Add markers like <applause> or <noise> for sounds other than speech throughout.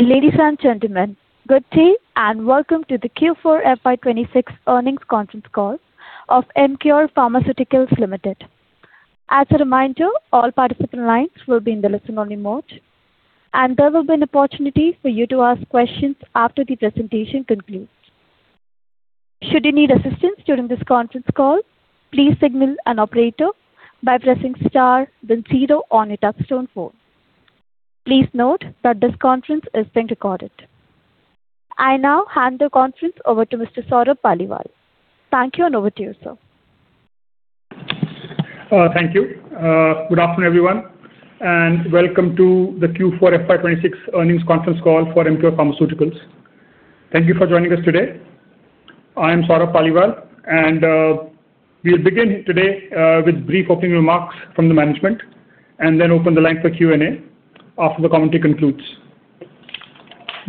Ladies and gentlemen, good day, and welcome to the Q4 FY 2026 earnings conference call of Emcure Pharmaceuticals Limited. As a reminder, all participant lines will be in the listen-only mode, and there will be an opportunity for you to ask questions after the presentation concludes. Should you need assistance during this conference call, please signal an operator by pressing star zero on your touch-tone phone. Please note that this conference is being recorded. I now hand the conference over to Mr. Saurabh Paliwal. Thank you, and over to you, sir. Thank you. Good afternoon, everyone, and welcome to the Q4 FY 2026 earnings conference call for Emcure Pharmaceuticals. Thank you for joining us today. I am Saurabh Paliwal, and we'll begin today with brief opening remarks from the management, and then open the line for Q&A after the commentary concludes.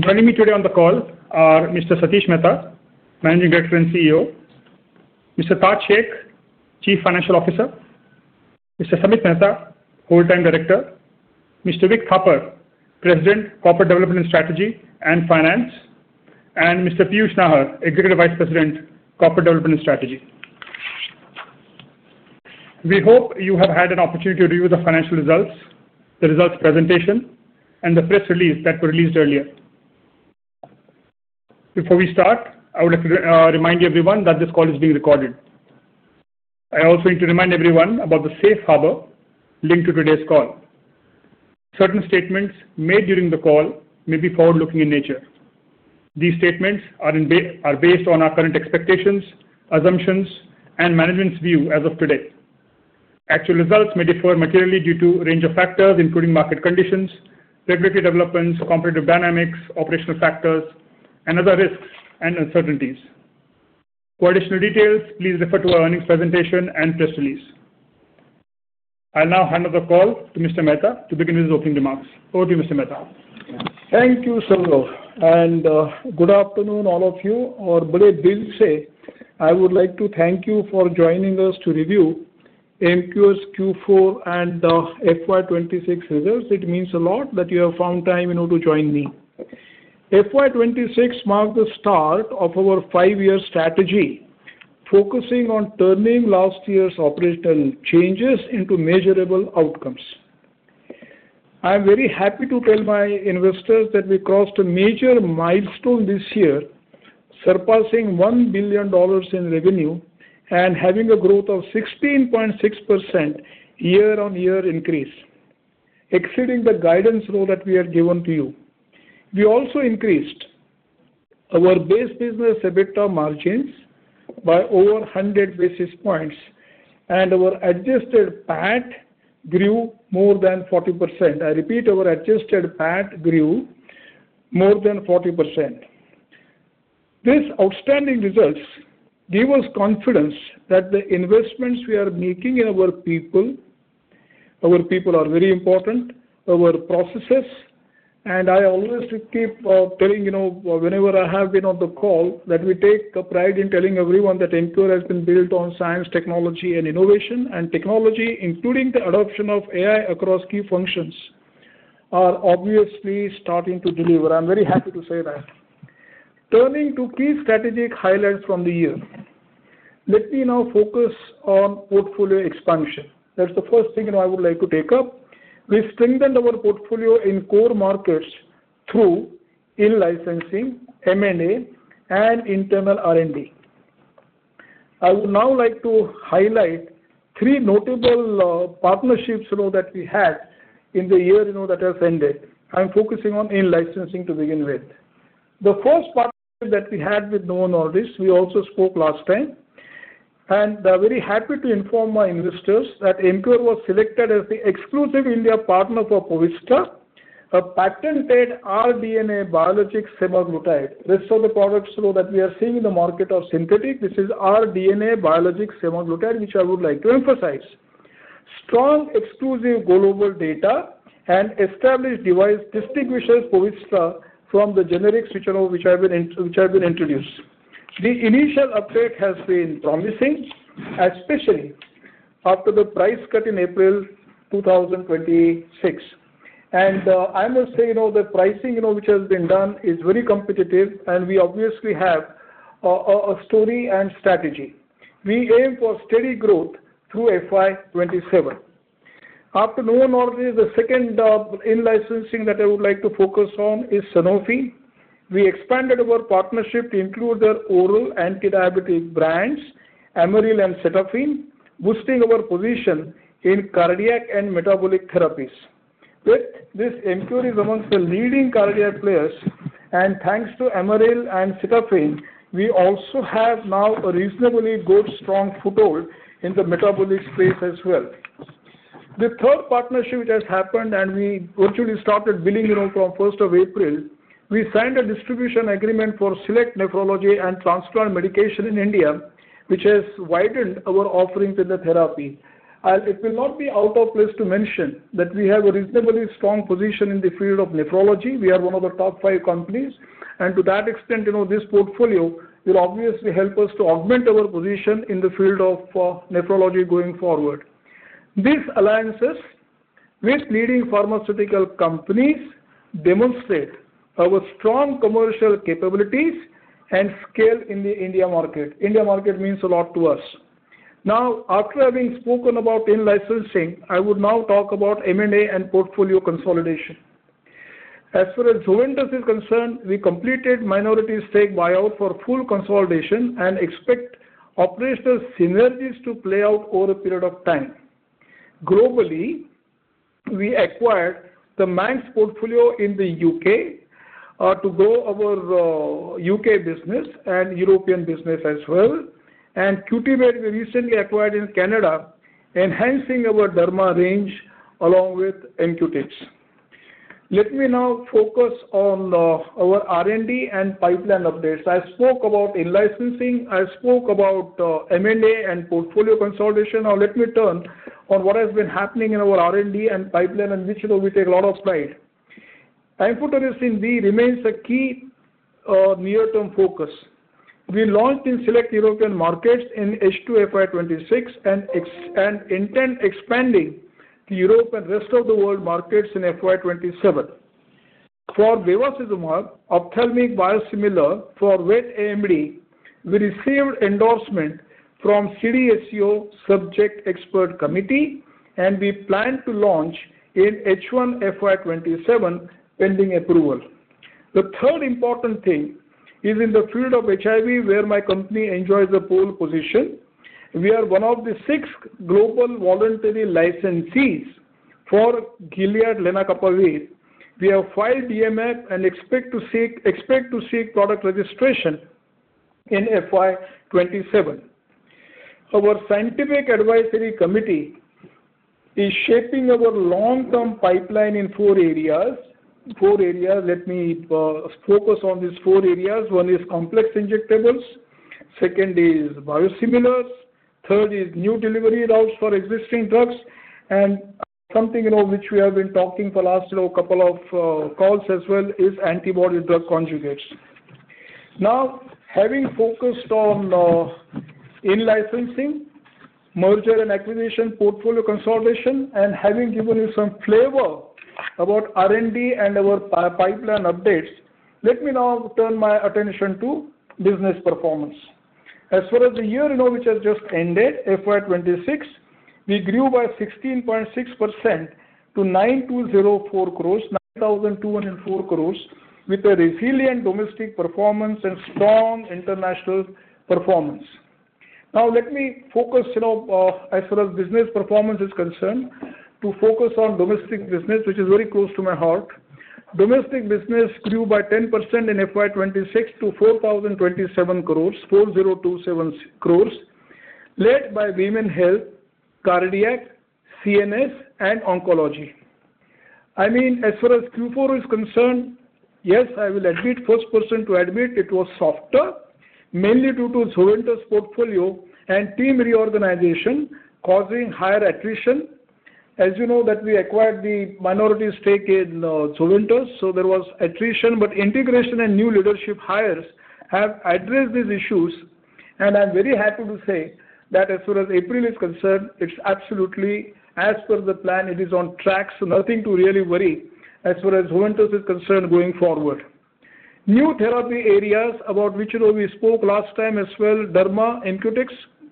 Joining me today on the call are Mr. Satish Mehta, Managing Director and CEO; Mr. Taj Shaikh, Chief Financial Officer; Mr. Samit Mehta, Whole Time Director; Mr. Vik Thapar, President, Corporate Development Strategy and Finance; and Mr. Piyush Nahar, Executive Vice President, Corporate Development and Strategy. We hope you have had an opportunity to review the financial results, the results presentation, and the press release that were released earlier. Before we start, I would like to remind everyone that this call is being recorded. I also need to remind everyone about the Safe Harbor linked to today's call. Certain statements made during the call may be forward-looking in nature. These statements are based on our current expectations, assumptions, and management's view as of today. Actual results may differ materially due to a range of factors, including market conditions, regulatory developments, competitive dynamics, operational factors, and other risks and uncertainties. For additional details, please refer to our earnings presentation and press release. I'll now hand over the call to Mr. Mehta to begin his opening remarks. Over to you, Mr. Mehta. Thank you, Saurabh. Good afternoon, all of you. On a very busy day, I would like to thank you for joining us to review Emcure's Q4 and FY 2026 results. It means a lot that you have found time in order to join me. FY 2026 marked the start of our five-year strategy, focusing on turning last year's operational changes into measurable outcomes. I'm very happy to tell my investors that we crossed a major milestone this year, surpassing $1 billion in revenue and having a growth of 16.6% year-on-year increase, exceeding the guidance role that we had given to you. We also increased our base business EBITDA margins by over 100 basis points, and our adjusted PAT grew more than 40%. I repeat, our adjusted PAT grew more than 40%. These outstanding results give us confidence that the investments we are making in our people, our people are very important, our processes, and I always keep telling, you know, whenever I have been on the call, that we take pride in telling everyone that Emcure has been built on science, technology, and innovation. Technology, including the adoption of AI across key functions, are obviously starting to deliver. I'm very happy to say that. Turning to key strategic highlights from the year. Let me now focus on portfolio expansion. That's the first thing, you know, I would like to take up. We've strengthened our portfolio in core markets through in-licensing, M&A, and internal R&D. I would now like to highlight three notable partnerships, you know, that we had in the year, you know, that has ended. I'm focusing on in-licensing to begin with. The first partnership that we had with Novo Nordisk, we also spoke last time. I'm very happy to inform my investors that Emcure was selected as the exclusive India partner for Poviztra, a patented rDNA biologic semaglutide. Rest of the products, you know, that we are seeing in the market are synthetic. This is rDNA biologic semaglutide, which I would like to emphasize. Strong exclusive global data and established device distinguishes Poviztra from the generics which have been introduced. The initial uptake has been promising, especially after the price cut in April 2026. I must say, you know, the pricing, you know, which has been done is very competitive, and we obviously have a story and strategy. We aim for steady growth through FY 2027. After Novo Nordisk, the second in-licensing that I would like to focus on is Sanofi. We expanded our partnership to include their oral antidiabetic brands, Amaryl and Cetapin, boosting our position in cardiac and metabolic therapies. With this, Emcure is amongst the leading cardiac players, and thanks to Amaryl and Cetapin, we also have now a reasonably good, strong foothold in the metabolic space as well. The 3rd partnership which has happened, and we virtually started billing, you know, from 1st of April, we signed a distribution agreement for select nephrology and transplant medication in India, which has widened our offerings in the therapy. It will not be out of place to mention that we have a reasonably strong position in the field of nephrology. We are one of the top five companies. To that extent, you know, this portfolio will obviously help us to augment our position in the field of nephrology going forward. These alliances with leading pharmaceutical companies demonstrate our strong commercial capabilities and scale in the India market. India market means a lot to us. After having spoken about in-licensing, I would now talk about M&A and portfolio consolidation. As far as Zuventus is concerned, we completed minority stake buyout for full consolidation and expect operational synergies to play out over a period of time. Globally, we acquired the Manx portfolio in the U.K., to grow our U.K. business and European business as well. Cutimed Inc. we recently acquired in Canada, enhancing our derma range along with Emcutix. Let me now focus on our R&D and pipeline updates. I spoke about in-licensing, I spoke about M&A and portfolio consolidation. Now let me turn to what has been happening in our R&D and pipeline, which, you know, we take a lot of pride. <audio distortion> remains a key near-term focus. We launched in select European markets in H2 FY 2026 and intend expanding to Europe and rest of the world markets in FY 2027. For bevacizumab ophthalmic biosimilar for wet AMD, we received endorsement from CDSCO subject expert committee. We plan to launch in H1 FY 2027 pending approval. The third important thing is in the field of HIV, where my company enjoys a pole position. We are one of the six global voluntary licensees for Gilead lenacapavir. We have filed DMF and expect to seek product registration in FY 2027. Our scientific advisory committee is shaping our long-term pipeline in four areas. Four areas, let me focus on these four areas. One is complex injectables, second is biosimilars, third is new delivery routes for existing drugs, and something, you know, which we have been talking for last, you know, couple of calls as well is antibody drug conjugates. Having focused on in-licensing, merger and acquisition, portfolio consolidation, and having given you some flavor about R&D and our pipeline updates, let me now turn my attention to business performance. As far as the year, you know, which has just ended, FY 2026, we grew by 16.6% to 9,204 crores, 9,204 crores, with a resilient domestic performance and strong international performance. Let me focus, you know, as far as business performance is concerned, to focus on domestic business, which is very close to my heart. Domestic business grew by 10% in FY 2026 to 4,027 crores, 4,027 crores, led by Women Health, Cardiac, CNS, and Oncology. I mean, as far as Q4 is concerned, yes, I will admit, first person to admit it was softer, mainly due to Zuventus portfolio and team reorganization causing higher attrition. As you know that we acquired the minority stake in Zuventus, so there was attrition. Integration and new leadership hires have addressed these issues. I'm very happy to say that as far as April is concerned, it's absolutely as per the plan, it is on track, so nothing to really worry as far as Zuventus is concerned going forward. New therapy areas about which, you know, we spoke last time as well, derma, Emcutix,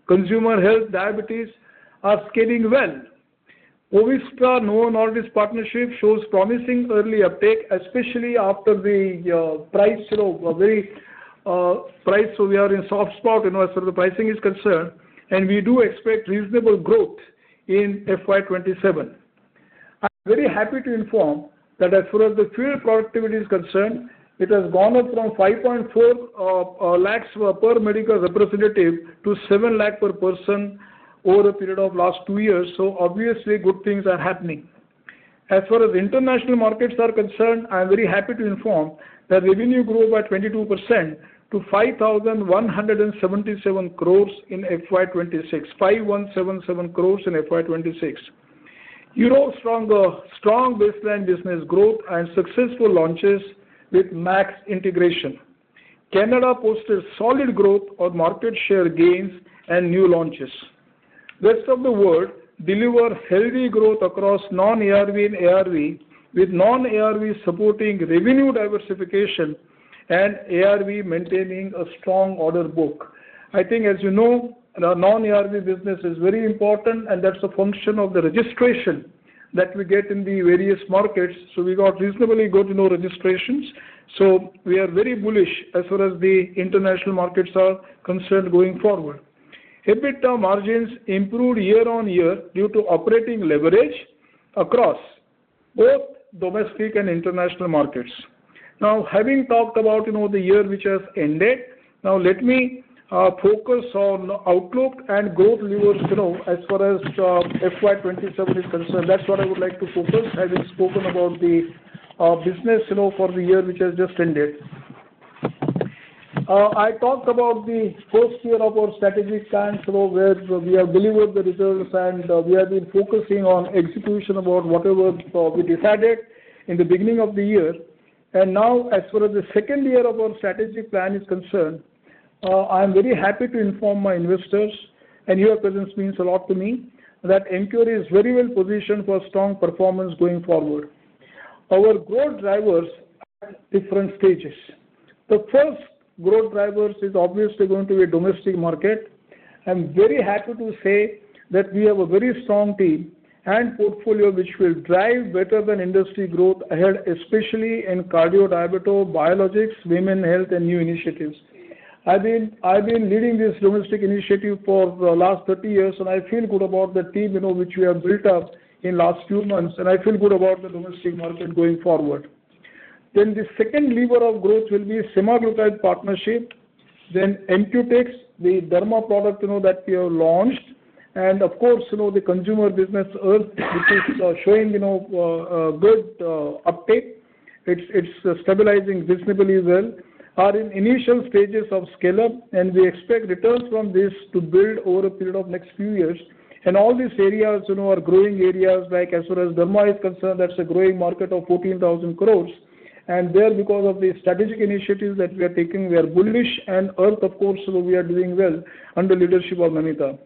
Consumer Health, Diabetes, are scaling well. Poviztra, Novo Nordisk partnership shows promising early uptake, especially after the price, you know, very price. We are in soft spot, you know, as far as the pricing is concerned, and we do expect reasonable growth in FY 27. I'm very happy to inform that as far as the field productivity is concerned, it has gone up from 5.4 lakhs per medical representative to 7 lakh per person over a period of last 2 years. Obviously, good things are happening. As far as international markets are concerned, I'm very happy to inform that revenue grew by 22% to 5,177 crores in FY 2026. 5,177 crores in FY 2026. Europe stronger, strong baseline business growth and successful launches with Manx integration. Canada posted solid growth on market share gains and new launches. Rest of the world deliver healthy growth across non-ARV and ARV, with non-ARV supporting revenue diversification and ARV maintaining a strong order book. I think, as you know, our non-ARV business is very important, and that's a function of the registration that we get in the various markets. We got reasonably good, you know, registrations. We are very bullish as far as the international markets are concerned going forward. EBITDA margins improved year-on-year due to operating leverage across both domestic and international markets. Now, having talked about, you know, the year which has ended, now let me focus on outlook and growth levers, you know, as far as FY 2027 is concerned. That's what I would like to focus, having spoken about the business, you know, for the year which has just ended. I talked about the first year of our strategic plan, you know, where we have delivered the results and we have been focusing on execution about whatever we decided in the beginning of the year. Now, as far as the second year of our strategic plan is concerned. I'm very happy to inform my investors, and your presence means a lot to me, that Emcure is very well positioned for strong performance going forward. Our growth drivers are at different stages. The first growth drivers is obviously going to be domestic market. I'm very happy to say that we have a very strong team and portfolio which will drive better than industry growth ahead, especially in cardio-diabeto, biologics, women's health, and new initiatives. I've been leading this domestic initiative for the last 30 years, and I feel good about the team, you know, which we have built up in last few months, and I feel good about the domestic market going forward. The second lever of growth will be semaglutide partnership, then Emcutix, the derma product, you know, that we have launched. Of course, you know, the consumer business, Earth, which is showing, you know, good uptake. It's stabilizing visibly well. Are in initial stages of scale-up, and we expect returns from this to build over a period of next few years. All these areas, you know, are growing areas like as far as derma is concerned, that's a growing market of 14,000 crore. There, because of the strategic initiatives that we are taking, we are bullish. Earth, of course, you know, we are doing well under leadership of Namita.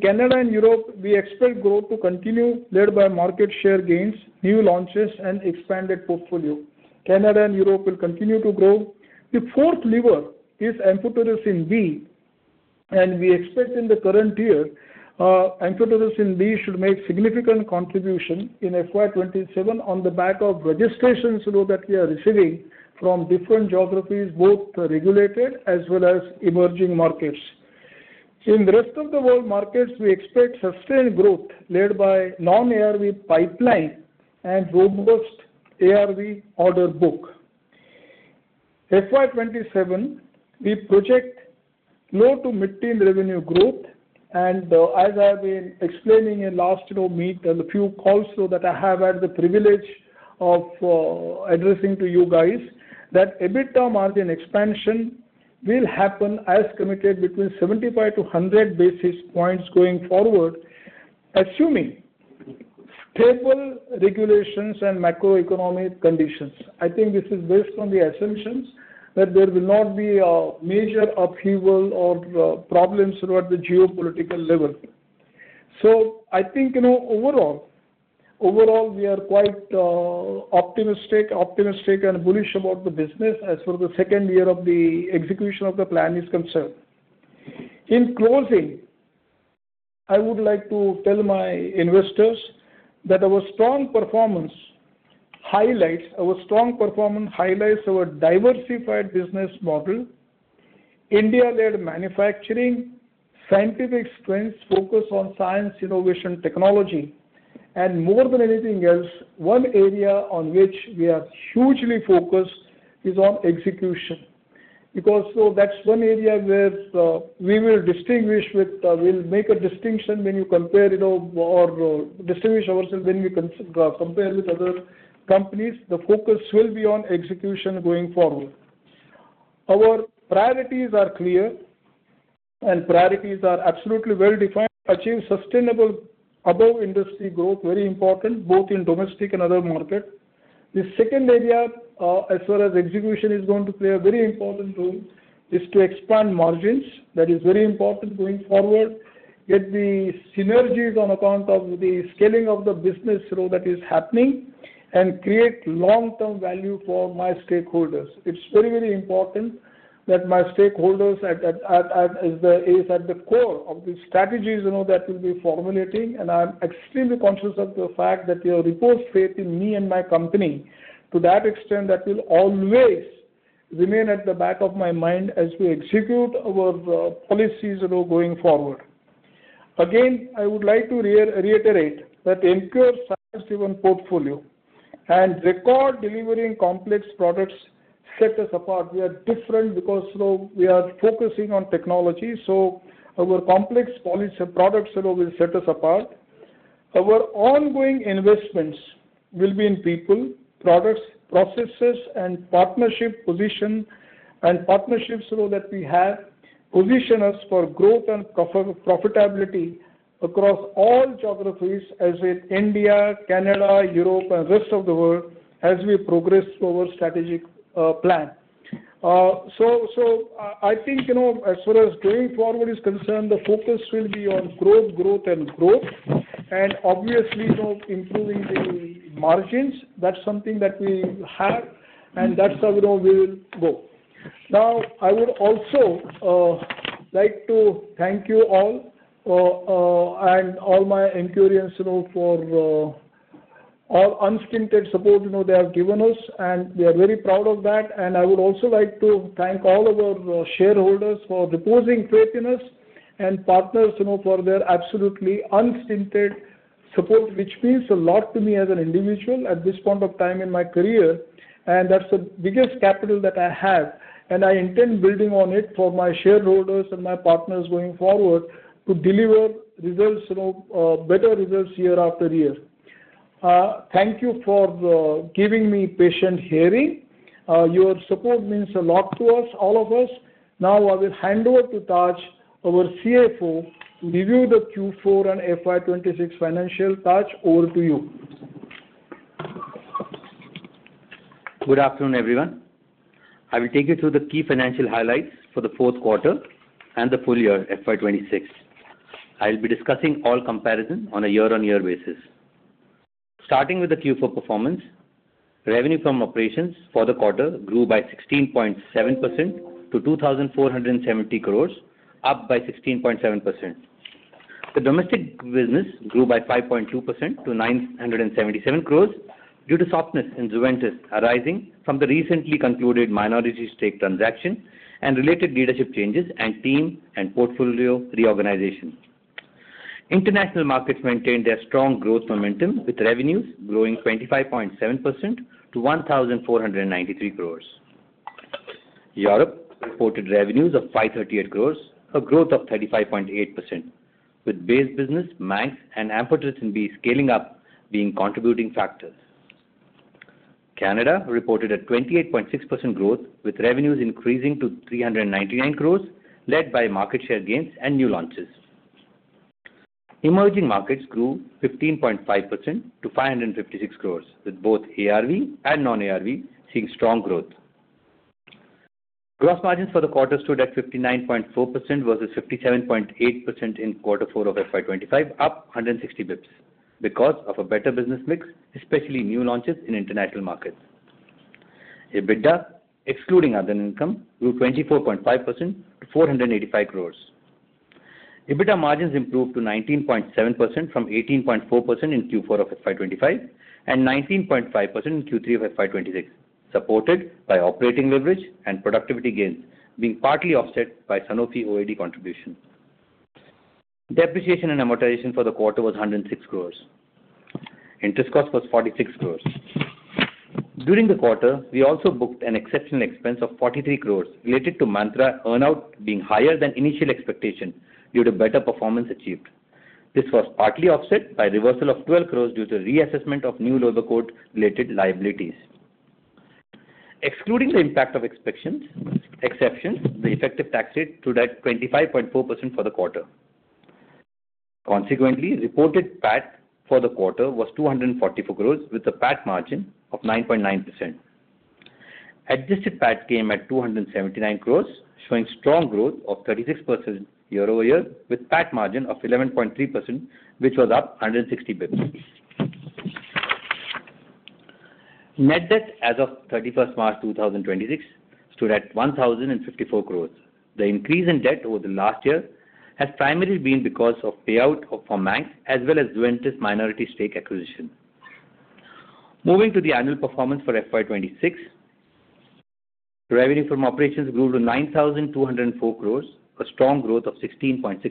Canada and Europe, we expect growth to continue, led by market share gains, new launches, and expanded portfolio. Canada and Europe will continue to grow. The fourth lever is amphotericin B, and we expect in the current year, amphotericin B should make significant contribution in FY 2027 on the back of registrations, you know, that we are receiving from different geographies, both regulated as well as emerging markets. In the rest of the world markets, we expect sustained growth led by non-ARV pipeline and robust ARV order book. FY 2027, we project low-to-mid-teen revenue growth. As I've been explaining in last, you know, meet and the few calls so that I have had the privilege of addressing to you guys, that EBITDA margin expansion will happen as committed between 75-100 basis points going forward, assuming stable regulations and macroeconomic conditions. I think this is based on the assumptions that there will not be a major upheaval or problems throughout the geopolitical level. I think, you know, overall, we are quite optimistic and bullish about the business as far as the second year of the execution of the plan is concerned. In closing, I would like to tell my investors that our strong performance highlights our diversified business model, India-led manufacturing, scientific strengths focused on science innovation technology. More than anything else, one area on which we are hugely focused is on execution. You know, that's one area where we will distinguish with, we'll make a distinction when you compare, you know, or distinguish ourselves when we compare with other companies. The focus will be on execution going forward. Our priorities are clear, priorities are absolutely well-defined. Achieve sustainable above-industry growth, very important, both in domestic and other market. The second area, as far as execution is going to play a very important role, is to expand margins. That is very important going forward. Get the synergies on account of the scaling of the business, you know, that is happening, create long-term value for my stakeholders. It's very, very important that my stakeholders at the core of the strategies, you know, that we'll be formulating. I'm extremely conscious of the fact that you have reposed faith in me and my company. To that extent, that will always remain at the back of my mind as we execute our policies, you know, going forward. Again, I would like to reiterate that Emcure's science-driven portfolio and record delivering complex products set us apart. We are different because, you know, we are focusing on technology, our complex products, you know, will set us apart. Our ongoing investments will be in people, products, processes, and partnerships, you know, that we have position us for growth and profitability across all geographies, as in India, Canada, Europe, and rest of the world as we progress through our strategic plan. I think, you know, as far as going forward is concerned, the focus will be on growth, and growth. Obviously, you know, improving the margins. That's something that we have, and that's how, you know, we will go. Now, I would also like to thank you all and all my Emcureans, you know, for all unstinted support, you know, they have given us, and we are very proud of that. I would also like to thank all of our shareholders for reposing faith in us and partners, you know, for their absolutely unstinted support, which means a lot to me as an individual at this point of time in my career, and that's the biggest capital that I have. I intend building on it for my shareholders and my partners going forward to deliver results, you know, better results year after year. Thank you for giving me patient hearing. Your support means a lot to us, all of us. Now, I will hand over to Taj, our CFO, to review the Q4 and FY 2026 financial. Taj, over to you. Good afternoon, everyone. I will take you through the key financial highlights for the fourth quarter and the full year FY 2026. I will be discussing all comparison on a year-on-year basis. Starting with the Q4 performance, revenue from operations for the quarter grew by 16.7% to 2,470 crores, up by 16.7%. The domestic business grew by 5.2% to 977 crores due to softness in Zuventus arising from the recently concluded minority stake transaction and related leadership changes and team and portfolio reorganization. International markets maintained their strong growth momentum, with revenues growing 25.7% to 1,493 crores. Europe reported revenues of 538 crores, a growth of 35.8%, with base business, Manx and amphotericin B scaling up being contributing factors. Canada reported a 28.6% growth, with revenues increasing to 399 crores led by market share gains and new launches. Emerging markets grew 15.5% to 556 crores, with both ARV and non-ARV seeing strong growth. Gross margins for the quarter stood at 59.4% versus 57.8% in Q4 of FY 2025, up 160 basis points because of a better business mix, especially new launches in international markets. EBITDA, excluding other income, grew 24.5% to 485 crores. EBITDA margins improved to 19.7% from 18.4% in Q4 of FY 2025 and 19.5% in Q3 of FY 2026, supported by operating leverage and productivity gains being partly offset by Sanofi OAD contribution. Depreciation and amortization for the quarter was 106 crores. Interest cost was 46 crores. During the quarter, we also booked an exceptional expense of 43 crores related to Mantra earn-out being higher than initial expectation due to better performance achieved. This was partly offset by reversal of 12 crores due to reassessment of new [Lotocort] related liabilities. Excluding the impact of exceptions, the effective tax rate stood at 25.4% for the quarter. Consequently, reported PAT for the quarter was 244 crores with a PAT margin of 9.9%. Adjusted PAT came at 279 crores, showing strong growth of 36% year-over-year, with PAT margin of 11.3%, which was up 160 basis points. Net debt as of 31st March 2026 stood at 1,054 crores. The increase in debt over the last year has primarily been because of payout for Manx as well as Zuventus minority stake acquisition. Moving to the annual performance for FY 2026. Revenue from operations grew to 9,204 crores, a strong growth of 16.6%.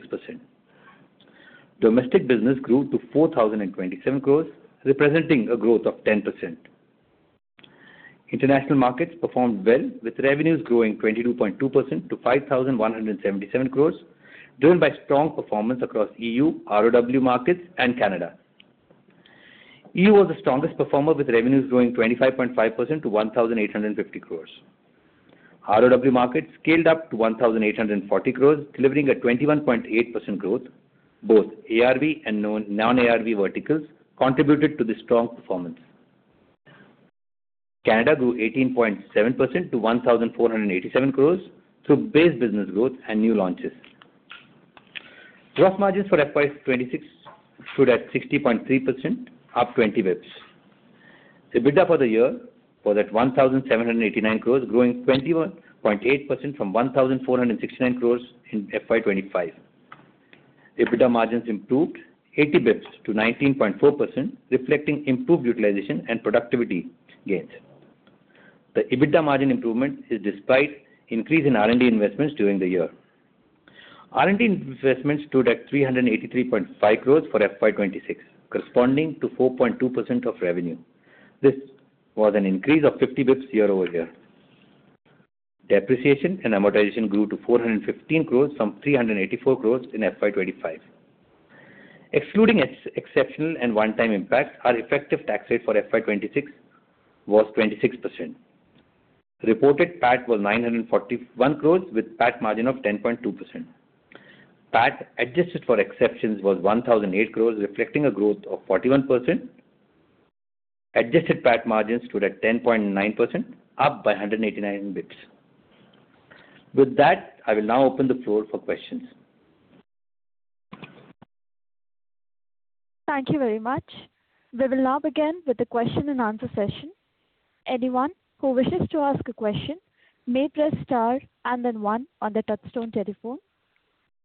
Domestic business grew to 4,027 crores, representing a growth of 10%. International markets performed well, with revenues growing 22.2% to 5,177 crores, driven by strong performance across EU, ROW markets and Canada. EU was the strongest performer, with revenues growing 25.5% to 1,850 crores. RoW markets scaled up to 1,840 crores, delivering a 21.8% growth. Both ARV and non-ARV verticals contributed to the strong performance. Canada grew 18.7% to 1,487 crores through base business growth and new launches. Gross margins for FY 2026 stood at 60.3%, up 20 basis points. The EBITDA for the year was at 1,789 crores, growing 21.8% from 1,469 crores in FY 2025. EBITDA margins improved 80 basis points to 19.4%, reflecting improved utilization and productivity gains. The EBITDA margin improvement is despite increase in R&D investments during the year. R&D investments stood at 383.5 crores for FY 2026, corresponding to 4.2% of revenue. This was an increase of 50 basis points year-over-year. Depreciation and amortization grew to 415 crores from 384 crores in FY 2025. Excluding exceptional and one-time impact, our effective tax rate for FY 2026 was 26%. Reported PAT was 941 crores with PAT margin of 10.2%. PAT adjusted for exceptions was 1,008 crores, reflecting a growth of 41%. Adjusted PAT margins stood at 10.9%, up by 189 basis points. With that, I will now open the floor for questions. Thank you very much. We will now begin with the question-and-answer session. Anyone who wishes to ask a question may press star one on their touchstone telephone.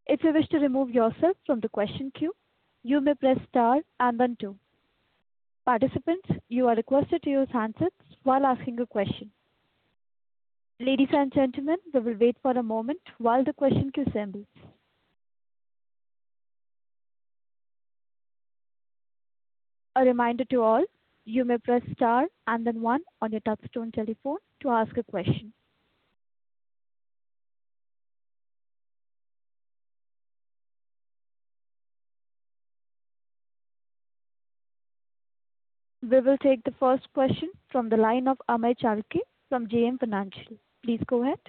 If you wish to remove yourself from the question queue, you may press star two. Participants, you are requested to use handsets while asking a question. Ladies and gentlemen, we will wait for a moment while the question queue assembles. A reminder to all, you may press star one on your touchstone telephone to ask a question. We will take the first question from the line of Amey Chalke from JM Financial. Please go ahead.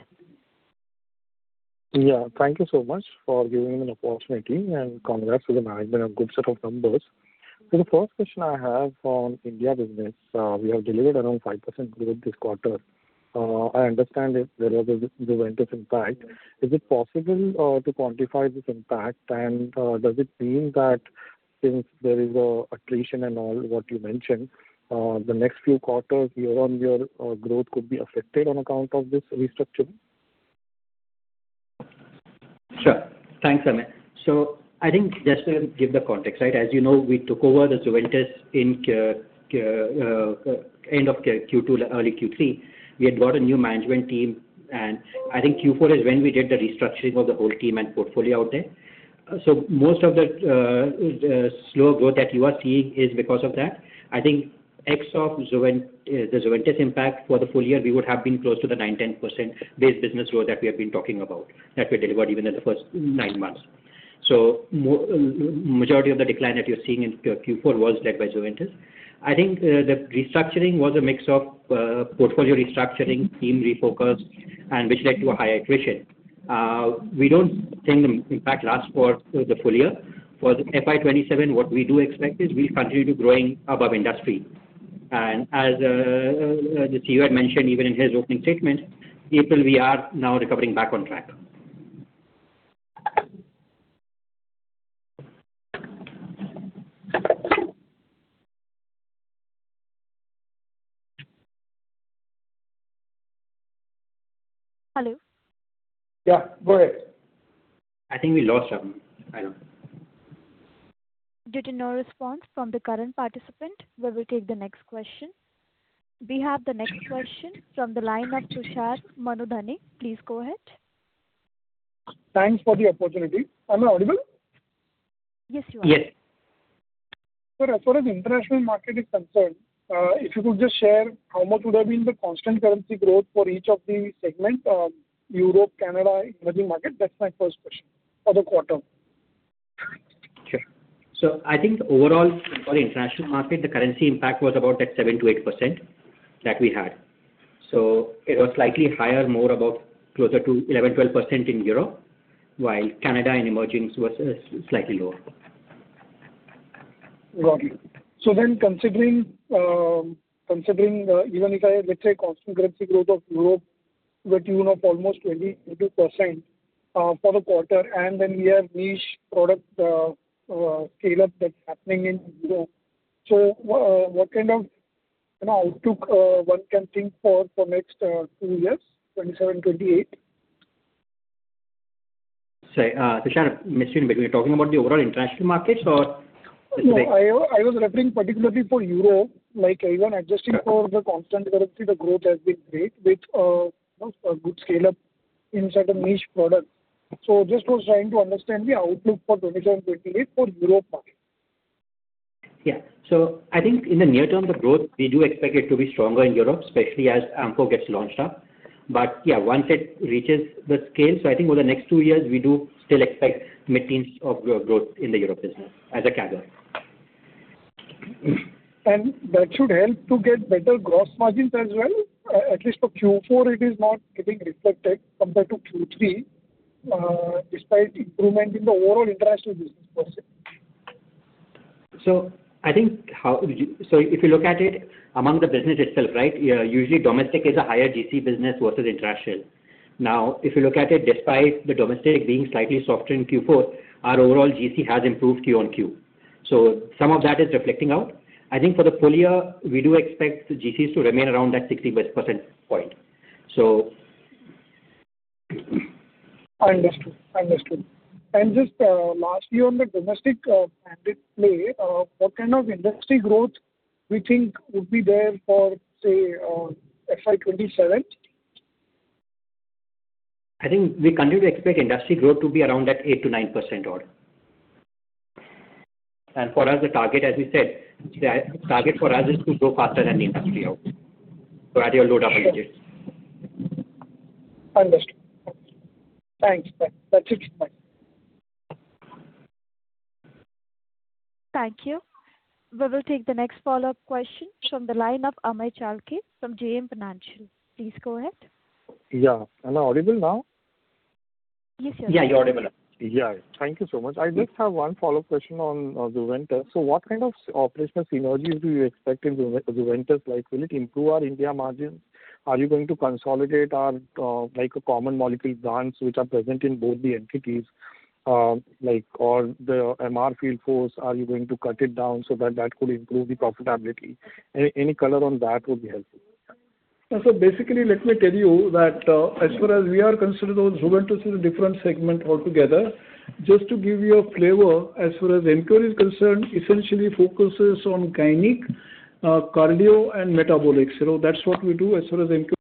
Thank you so much for giving me an opportunity, and congrats to the management on good set of numbers. The first question I have on India business, we have delivered around 5% growth this quarter. I understand that there was a Zuventus impact. Is it possible to quantify this impact? Does it mean that since there is attrition and all what you mentioned, the next few quarters year-on-year growth could be affected on account of this restructuring? Sure. Thanks, Amey. I think just to give the context, right? As you know, we took over Zuventus in end of Q2 to early Q3. We had got a new management team, and I think Q4 is when we did the restructuring of the whole team and portfolio out there. Most of the slow growth that you are seeing is because of that. I think ex of Zuventus impact for the full year, we would have been close to the 9%-10% base business growth that we have been talking about, that we delivered even in the first nine months. Majority of the decline that you're seeing in Q4 was led by Zuventus. I think the restructuring was a mix of portfolio restructuring, team refocus, and which led to a higher attrition. We don't think the impact lasts for the full year. For FY 2027, what we do expect is we continue to growing above industry. As the CEO had mentioned even in his opening statement, April we are now recovering back on track. Hello. Yeah, go ahead. I think we lost Amey. Due to no response from the current participant, we will take the next question. We have the next question from the line of Tushar Manudhane. Please go ahead. Thanks for the opportunity. Am I audible? Yes, you are. Yes. Sir, as far as international market is concerned, if you could just share how much would have been the constant currency growth for each of the segment, Europe, Canada, emerging market. That's my first question for the quarter. Sure. I think overall for the international market, the currency impact was about at 7%-8% that we had. It was slightly higher, more about closer to 11%-12% in Europe, while Canada and emergents was slightly lower. Got it. Considering, even if I, let's say, constant currency growth of Europe, the tune of almost 20% to 22%, for the quarter, and then we have niche product scale-up that's happening in Europe. What kind of, you know, outlook, one can think for next two years, 2027, 2028? Sorry, Tushar, I'm missing a bit. We're talking about the overall international markets or- I was referring particularly for Europe, like even adjusting for the constant currency, the growth has been great with, you know, a good scale-up in certain niche products. Just was trying to understand the outlook for 2027, 2028 for Europe market. Yeah. I think in the near term, the growth, we do expect it to be stronger in Europe, especially as AMCo gets launched up. Yeah, once it reaches the scale, I think over the next two years, we do still expect mid-teens of growth in the Europe business as a category. That should help to get better gross margins as well. At least for Q4 it is not getting reflected compared to Q3, despite improvement in the overall international business per. If you look at it among the business itself, right, usually domestic is a higher GM business versus international. Now, if you look at it, despite the domestic being slightly softer in Q4, our overall GM has improved Q on Q. Some of that is reflecting out. I think for the full year, we do expect the GCs to remain around that 65% point. I understood. I understood. Just, lastly, on the domestic, branded play, what kind of industry growth we think would be there for, say, FY 2027? I think we continue to expect industry growth to be around that 8%-9% order. For us, the target, as we said, the target for us is to grow faster than the industry out, so at a low double digits. Understood. Thanks. That's it. Bye. Thank you. We will take the next follow-up question from the line of Amey Chalke from JM Financial. Please go ahead. Yeah. Am I audible now? Yes, you are. Yeah, you're audible now. Yeah. Thank you so much. I just have one follow-up question on Zuventus. What kind of operational synergies do you expect in Zuventus? Like, will it improve our India margins? Are you going to consolidate our, like a common molecule brands which are present in both the entities? Like or the MR field force, are you going to cut it down so that that could improve the profitability? Any color on that would be helpful. Basically, let me tell you that, as far as we are considered on Zuventus is a different segment altogether. Just to give you a flavor, as far as NQ is concerned, essentially focuses on gynec, cardio and metabolic. That's what we do as far as NQ-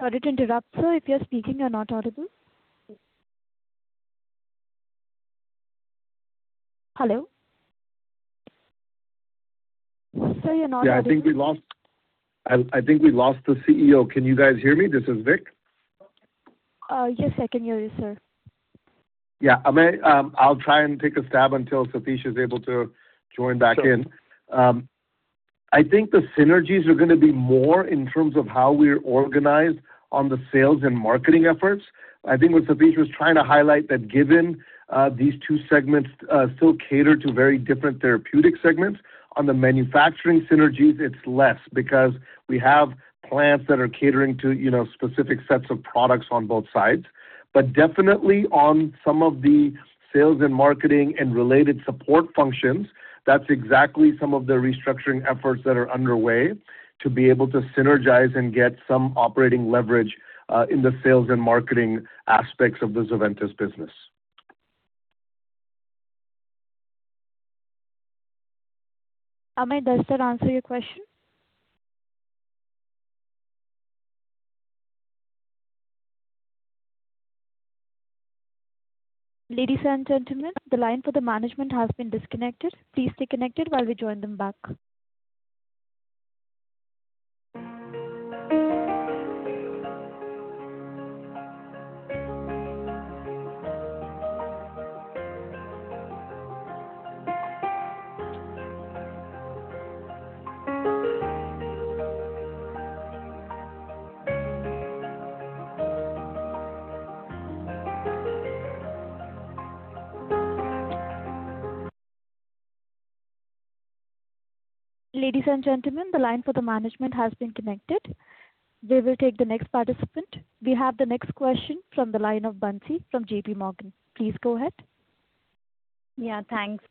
Sorry to interrupt, sir. If you're speaking, you're not audible. Hello? Sir, you're not audible. Yeah, I think we lost the CEO. Can you guys hear me? This is Vik. Yes, I can hear you, sir. Yeah. Amey, I'll try and take a stab until Satish is able to join back in. I think the synergies are gonna be more in terms of how we're organized on the sales and marketing efforts. I think what Satish was trying to highlight that given these two segments still cater to very different therapeutic segments. On the manufacturing synergies, it's less because we have plants that are catering to, you know, specific sets of products on both sides. Definitely on some of the sales and marketing and related support functions, that's exactly some of the restructuring efforts that are underway to be able to synergize and get some operating leverage in the sales and marketing aspects of the Zuventus business. Amit, does that answer your question? We will take the next participant. We have the next question from the line of Bansi from JPMorgan. Please go ahead. Yeah, thanks.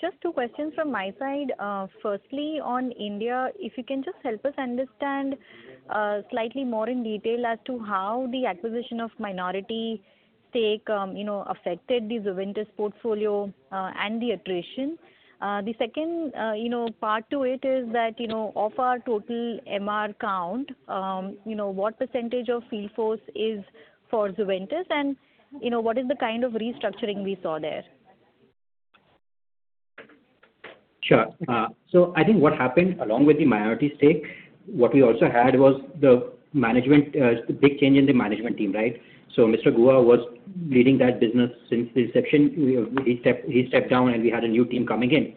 Just two questions from my side. Firstly, on India, if you can just help us understand, slightly more in detail as to how the acquisition of minority stake, you know, affected the Zuventus portfolio, and the attrition. The second, you know, part to it is that, you know, of our total MR count, you know, what percentage of field force is for Zuventus and, you know, what is the kind of restructuring we saw there? Sure. I think what happened along with the minority stake, what we also had was the management, big change in the management team, right? Mr. Guha was leading that business since inception. He stepped down, and we had a new team coming in.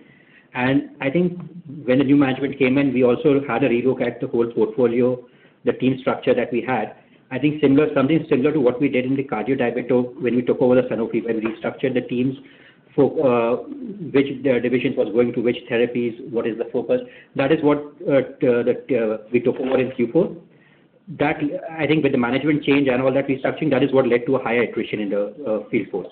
I think when the new management came in, we also had a relook at the whole portfolio, the team structure that we had. I think something similar to what we did in the cardio-diabeto when we took over the Sanofi, when we structured the teams for which divisions was going to which therapies, what is the focus. That is what we took over in Q4. I think with the management change and all that restructuring, that is what led to a higher attrition in the field force.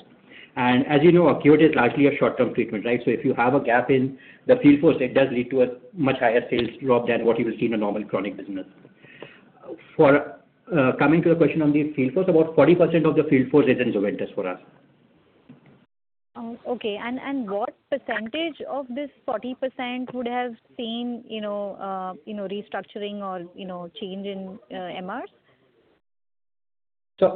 As you know, acute is largely a short-term treatment, right? If you have a gap in the field force, it does lead to a much higher sales drop than what you will see in a normal chronic business. Coming to your question on the field force, about 40% of the field force is in Zuventus for us. Oh, okay. What percentage of this 40% would have seen, you know, you know, restructuring or, you know, change in MR?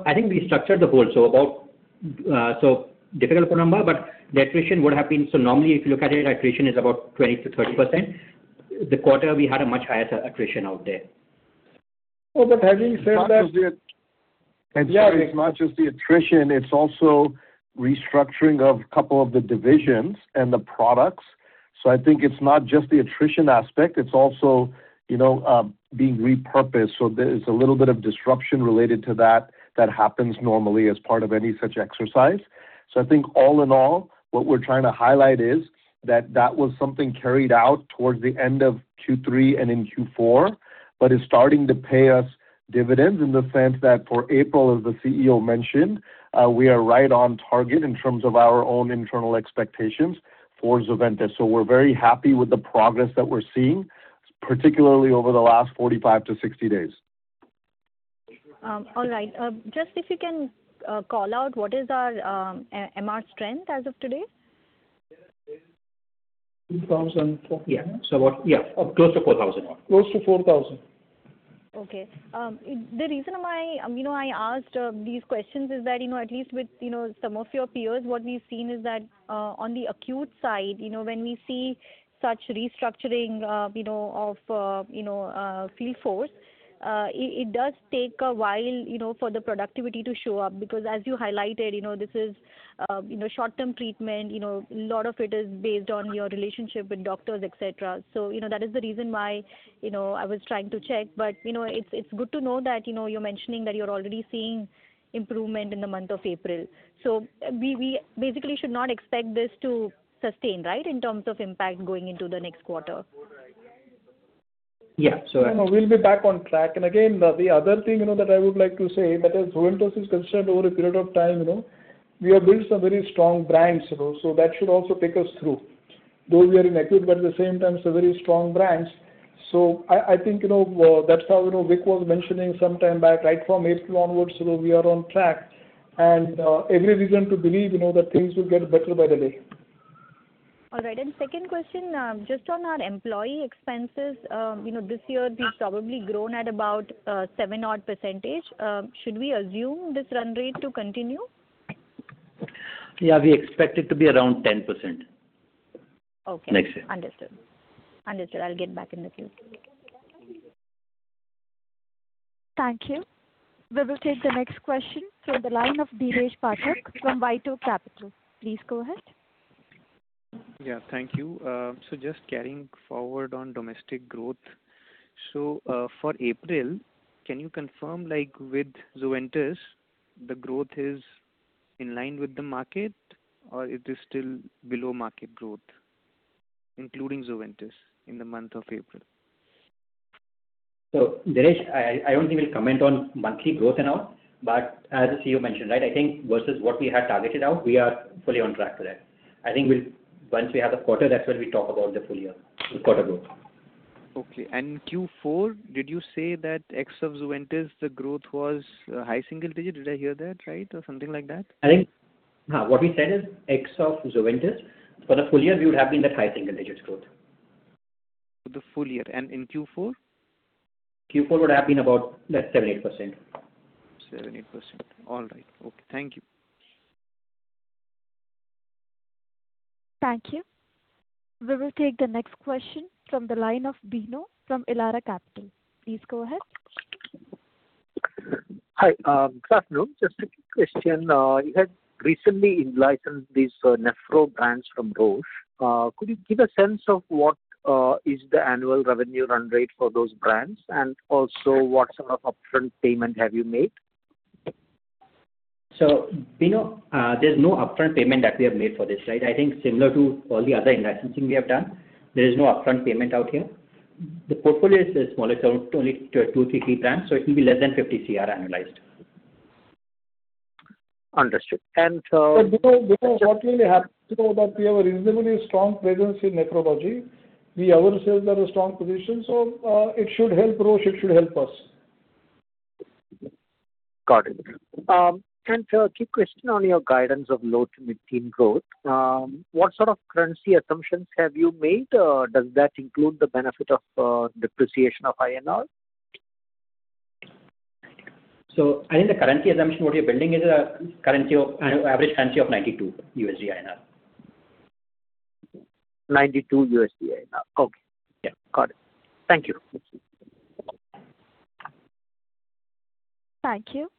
I think we structured the whole, so about, so difficult to remember, but the attrition would have been. Normally, if you look at it, attrition is about 20%-30%. The quarter we had a much higher attrition out there. Oh, having said that. Not just the. Yeah. Sorry, it's not just the attrition, it's also restructuring of couple of the divisions and the products. I think it's not just the attrition aspect, it's also, you know, being repurposed. There is a little bit of disruption related to that happens normally as part of any such exercise. I think all in all, what we're trying to highlight is that that was something carried out towards the end of Q3 and in Q4, but is starting to pay us dividends in the sense that for April, as the CEO mentioned, we are right on target in terms of our own internal expectations for Zuventus. We're very happy with the progress that we're seeing, particularly over the last 45 to 60 days. All right. Just if you can call out what is our MR strength as of today? 2004. Yeah. What. Yeah. Close to 4,000. Close to 4,000. Okay. The reason why, you know, I asked these questions is that, you know, at least with, you know, some of your peers, what we've seen is that, on the acute side, you know, when we see such restructuring, of, you know, field force, it does take a while, you know, for the productivity to show up because as you highlighted, you know, this is, you know, short-term treatment. You know, a lot of it is based on your relationship with doctors, et cetera. That is the reason why, you know, I was trying to check. It's good to know that, you know, you're mentioning that you're already seeing improvement in the month of April. We basically should not expect this to sustain, right, in terms of impact going into the next quarter? Yeah. No, we'll be back on track. Again, the other thing, you know, that I would like to say that as Zuventus is concerned over a period of time, you know, we have built some very strong brands, you know, that should also take us through. Though we are in acute, at the same time some very strong brands. I think, you know, that's how, you know, Vik was mentioning some time back, right from April onwards, you know, we are on track and every reason to believe, you know, that things will get better by the day. All right. Second question, just on our employee expenses. You know, this year we've probably grown at about seven odd percentage. Should we assume this run rate to continue? Yeah, we expect it to be around 10%. Okay. Next year. Understood. I'll get back in the queue. Thank you. We will take the next question from the line of Dheeresh Pathak from WhiteOak Capital. Please go ahead. Yeah, thank you. Just carrying forward on domestic growth. For April, can you confirm, like, with Zuventus, the growth is in line with the market or it is still below market growth, including Zuventus in the month of April? Dheeresh, I don't think we'll comment on monthly growth now, but as the CEO mentioned, right, I think versus what we had targeted out, we are fully on track for that. I think we'll once we have the quarter, that's when we talk about the full year quarter growth. Okay. Q4, did you say that ex of Zuventus the growth was high single digit? Did I hear that right or something like that? I think what we said is ex of Zuventus for the full year we would have been at high single digits growth. The full year. In Q4? Q4 would have been about, like, 7%-8%. 7%. All right. Okay. Thank you. Thank you. We will take the next question from the line of Bino from Elara Capital. Please go ahead. Hi, good afternoon. Just a quick question. You had recently in-licensed these Nephro brands from Roche. Could you give a sense of what is the annual revenue run rate for those brands, and also what sort of upfront payment have you made? Bino, there's no upfront payment that we have made for this, right? I think similar to all the other in-licensing we have done, there is no upfront payment out here. The portfolio is smaller, only two to three brands, it will be less than 50 crore annualized. Understood. Bino, what will happen so that we have a reasonably strong presence in nephrology. We ourselves are a strong position, it should help Roche, it should help us. Got it. A quick question on your guidance of low to mid-teen growth. What sort of currency assumptions have you made? Does that include the benefit of depreciation of INR? I think the currency assumption, what you're building is an average currency of 92 USD/INR. 92 USD/INR. Okay. Yeah, got it. Thank you. Thank you.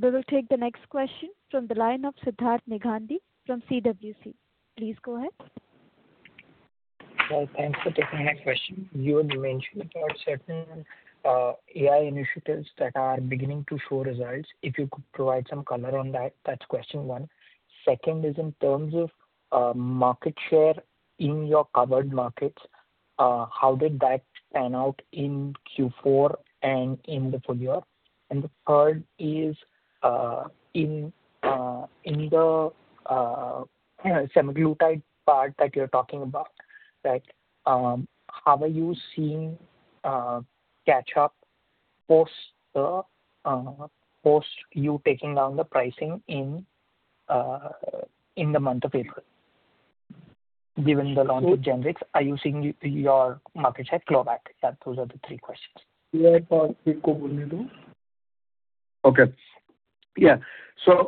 We will take the next question from the line of Siddharth Nigandhi from CWC. Please go ahead. Well, thanks for taking my question. You had mentioned about certain AI initiatives that are beginning to show results. If you could provide some color on that is question one. Second is in terms of market share in your covered markets, how did that pan out in Q4 and in the full year? The third is in the, you know, semaglutide part that you are talking about, right, how are you seeing catch up post the post you taking down the pricing in the month of April? Given the launch of generics, are you seeing your market share grow back? Those are the three questions. AI part. Okay. Yeah.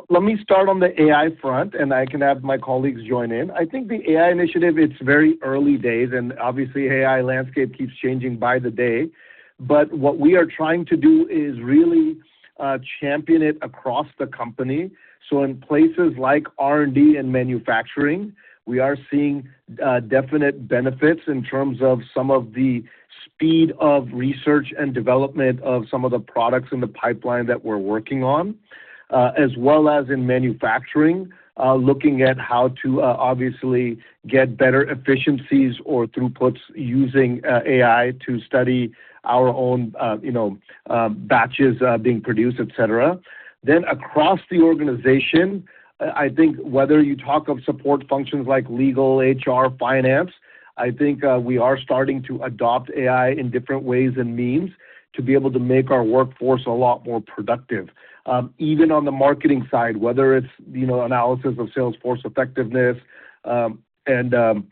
Let me start on the AI front, and I can have my colleagues join in. I think the AI initiative, it's very early days, and obviously AI landscape keeps changing by the day. What we are trying to do is really champion it across the company. In places like R&D and manufacturing, we are seeing definite benefits in terms of some of the speed of research and development of some of the products in the pipeline that we're working on. As well as in manufacturing, looking at how to obviously get better efficiencies or throughputs using AI to study our own, you know, batches being produced, et cetera. Across the organization, whether you talk of support functions like legal, HR, finance, we are starting to adopt AI in different ways and means to be able to make our workforce a lot more productive. Even on the marketing side, whether it's, you know, analysis of sales force effectiveness, and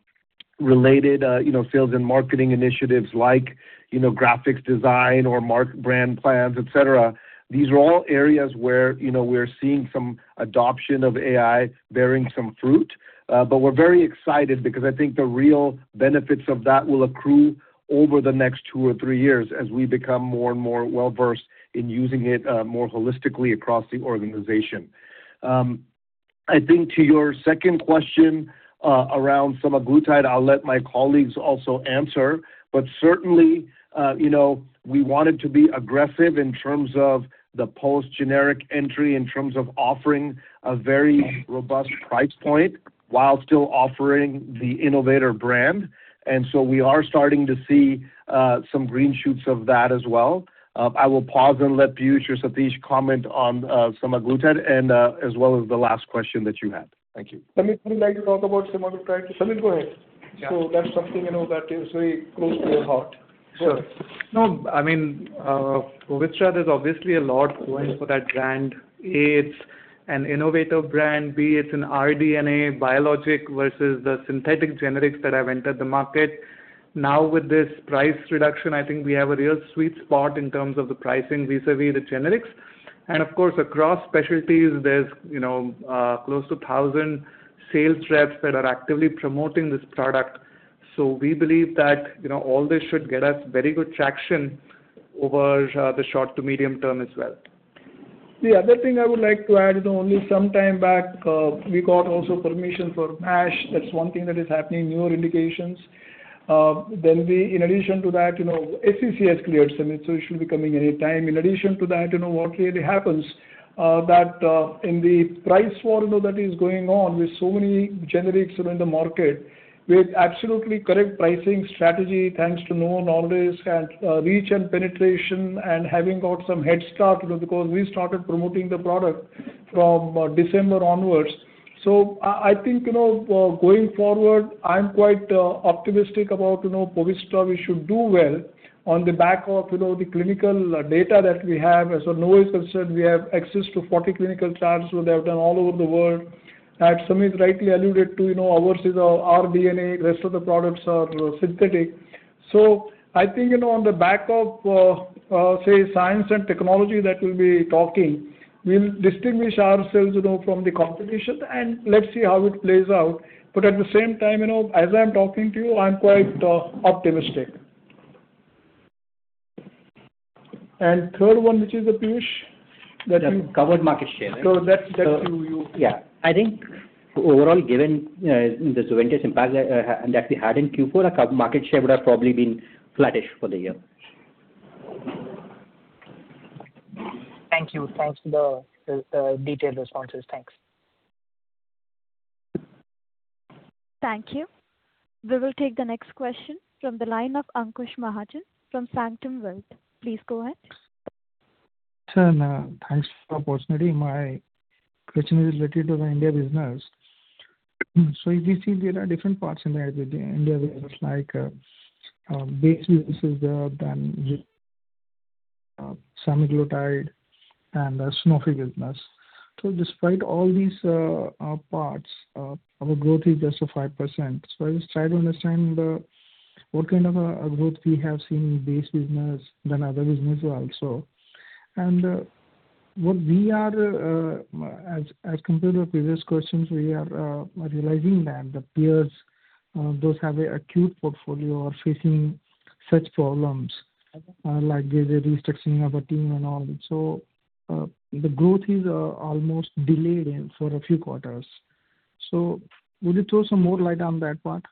related, you know, sales and marketing initiatives like, you know, graphics design or mark brand plans, et cetera. These are all areas where, you know, we're seeing some adoption of AI bearing some fruit. We're very excited because the real benefits of that will accrue over the next two or three years as we become more and more well-versed in using it more holistically across the organization. To your second question, around semaglutide, I'll let my colleagues also answer. Certainly, you know, we wanted to be aggressive in terms of the post generic entry, in terms of offering a very robust price point while still offering the innovator brand. We are starting to see some green shoots of that as well. I will pause and let Piyush or Satish Mehta comment on semaglutide and as well as the last question that you had. Thank you. Samit, would you like to talk about semaglutide? Samit, go ahead. That's something, you know, that is very close to your heart. Go ahead. Sure. No, I mean, for Victoza there's obviously a lot going for that brand. A, it's an innovator brand. B, it's an rDNA biologic versus the synthetic generics that have entered the market. With this price reduction, I think we have a real sweet spot in terms of the pricing vis-a-vis the generics. Of course, across specialties, there's, you know, close to 1,000 sales reps that are actively promoting this product. We believe that, you know, all this should get us very good traction over the short to medium term as well. The other thing I would like to add, you know, only some time back, we got also permission for NASH. That's one thing that is happening, newer indications. In addition to that, you know, FCC has cleared, so it should be coming any time. In addition to that, you know, what really happens, that in the price war that is going on with so many generics that are in the market, with absolutely correct pricing strategy, thanks to known all this and reach and penetration and having got some head start, you know, because we started promoting the product from December onwards. I think, you know, going forward, I'm quite optimistic about, you know, Poviztra should do well on the back of, you know, the clinical data that we have. As <audio distortion> has said, we have access to 40 clinical trials that they have done all over the world. Samit rightly alluded to, you know, ours is rDNA. The rest of the products are synthetic. I think, you know, on the back of, say, science and technology that we'll be talking, we'll distinguish ourselves, you know, from the competition, and let's see how it plays out. At the same time, you know, as I'm talking to you, I'm quite optimistic. Third one, which is the, Piyush Nahar, that you. That covered market share. So that's, that you, you- Yeah. I think overall, given the Zuventus impact that we had in Q4, our market share would have probably been flattish for the year. Thank you. Thanks for the detailed responses. Thanks. Thank you. We will take the next question from the line of Ankush Mahajan from Sanctum Wealth. Please go ahead. Sure, thanks for the opportunity. My question is related to the India business. If you see, there are different parts in the India business, like base business is there, then semaglutide and the Sanofi business. Despite all these parts, our growth is just 5%. I just try to understand what kind of a growth we have seen in base business than other business also. What we are, as compared to previous questions, we are realizing that the peers, those have an acute portfolio are facing such problems, like there's a restructuring of a team and all. The growth is almost delayed in for a few quarters. Would you throw some more light on that part?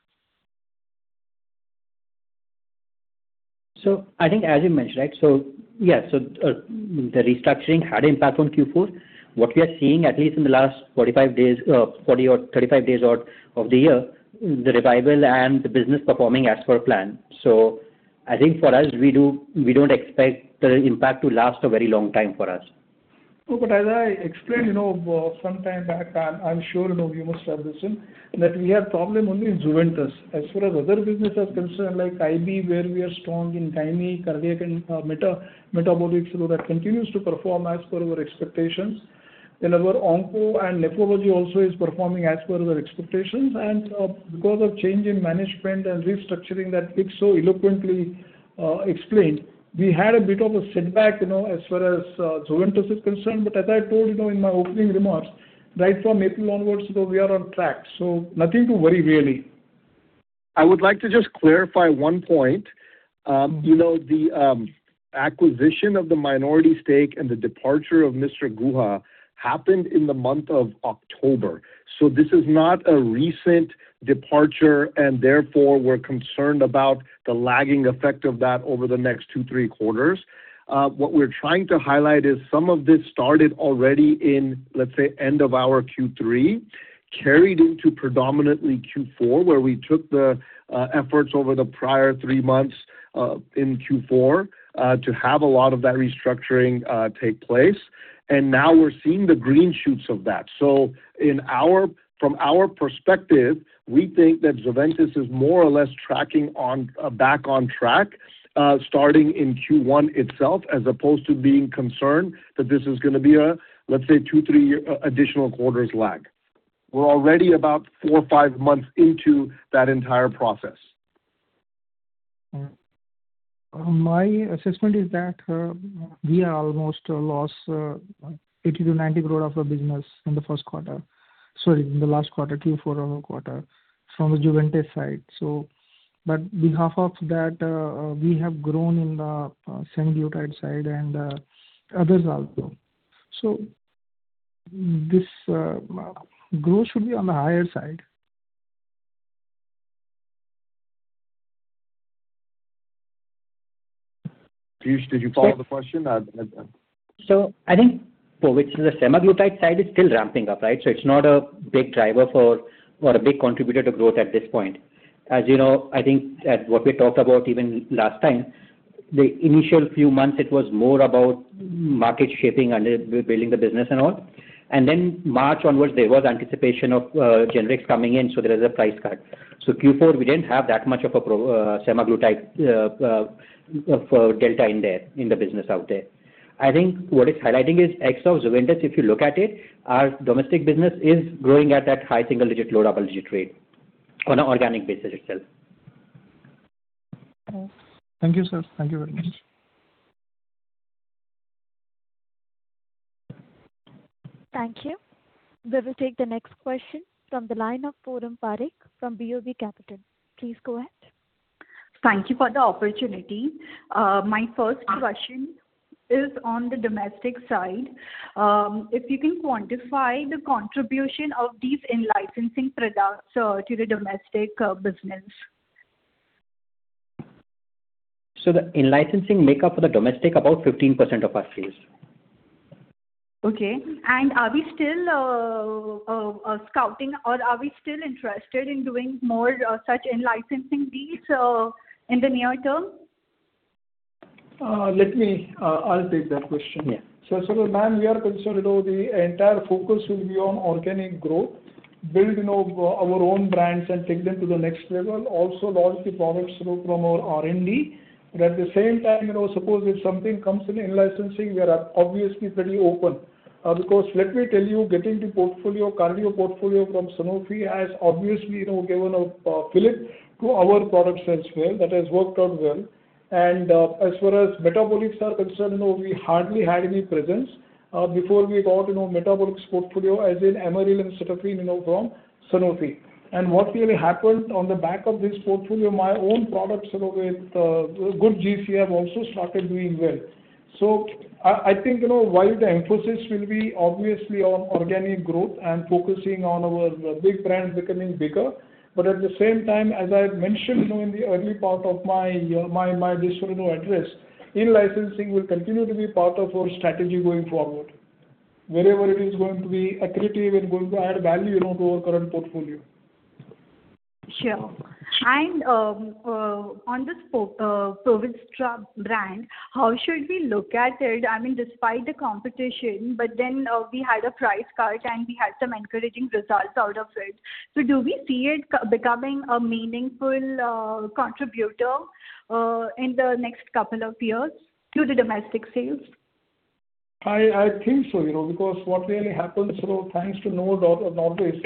I think as you mentioned, right? Yeah, the restructuring had impact on Q4. What we are seeing, at least in the last 45 days, 40 or 35 days out of the year, the revival and the business performing as per plan. I think for us, we don't expect the impact to last a very long time for us. As I explained, you know, some time back, I'm sure, you know, you must have listened, that we have problem only in Zuventus. As far as other business are concerned, like IB, where we are strong in timely cardiac and metabolic, so that continues to perform as per our expectations. Our oncology and nephrology also is performing as per our expectations. Because of change in management and restructuring that Vik eloquently explained, we had a bit of a setback, you know, as far as Zuventus is concerned. As I told you know in my opening remarks, right from April onwards, you know, we are on track, so nothing to worry really. I would like to just clarify one point. You know, the acquisition of the minority stake and the departure of Mr. Guha happened in the month of October. This is not a recent departure and therefore we're concerned about the lagging effect of that over the next two, three quarters. What we're trying to highlight is some of this started already in, let's say, end of our Q3, carried into predominantly Q4, where we took the efforts over the prior three months in Q4 to have a lot of that restructuring take place. Now we're seeing the green shoots of that. From our perspective, we think that Zuventus is more or less tracking on back on track, starting in Q1 itself, as opposed to being concerned that this is gonna be a, let's say, two, three additional quarters lag. We're already about four or five months into that entire process. My assessment is that we almost lost 80 crore-90 crore of the business in the last quarter, Q4 from the Zuventus side. Behalf of that, we have grown in the semaglutide side and others also. This growth should be on the higher side. Piyush, did you follow the question? I think Poviztra, the semaglutide side is still ramping up, right? It's not a big driver for or a big contributor to growth at this point. As you know, I think as what we talked about even last time, the initial few months it was more about market shaping and building the business and all. Then March onwards, there was anticipation of generics coming in, so there was a price cut. Q4, we didn't have that much of a semaglutide delta in there, in the business out there. I think what it's highlighting is except Zuventus, if you look at it, our domestic business is growing at that high single digit, low double digit rate on an organic basis itself. Thank you, sir. Thank you very much. Thank you. We will take the next question from the line of Foram Parekh from BOB Capital. Please go ahead. Thank you for the opportunity. My first question is on the domestic side. If you can quantify the contribution of these in-licensing products, to the domestic business. The in-licensing make up for the domestic about 15% of our sales. Okay. Are we still scouting or are we still interested in doing more such in-licensing deals in the near term? I'll take that question. Yeah. Ma'am, we are concerned, you know, the entire focus will be on organic growth. Build, you know, our own brands and take them to the next level. Also launch the products, you know, from our R&D. At the same time, you know, suppose if something comes in in-licensing, we are obviously pretty open. Because let me tell you, getting the portfolio, cardio portfolio from Sanofi has obviously, you know, given a fillip to our product sales mix that has worked out well. As far as metabolics are concerned, you know, we hardly had any presence before we got, you know, metabolics portfolio as in Amaryl and Cetapin, you know, from Sanofi. What really happened on the back of this portfolio, my own products, you know, with good GCF also started doing well. I think, you know, while the emphasis will be obviously on organic growth and focusing on our big brands becoming bigger, at the same time, as I've mentioned, you know, in the early part of my address, in-licensing will continue to be part of our strategy going forward. Wherever it is going to be accretive and going to add value, you know, to our current portfolio. Sure. On the Poviztra brand, how should we look at it? I mean, despite the competition, we had a price cut and we had some encouraging results out of it. Do we see it becoming a meaningful contributor in the next couple of years to the domestic sales? I think so, you know, because what really happens, you know, thanks to Novo Nordisk,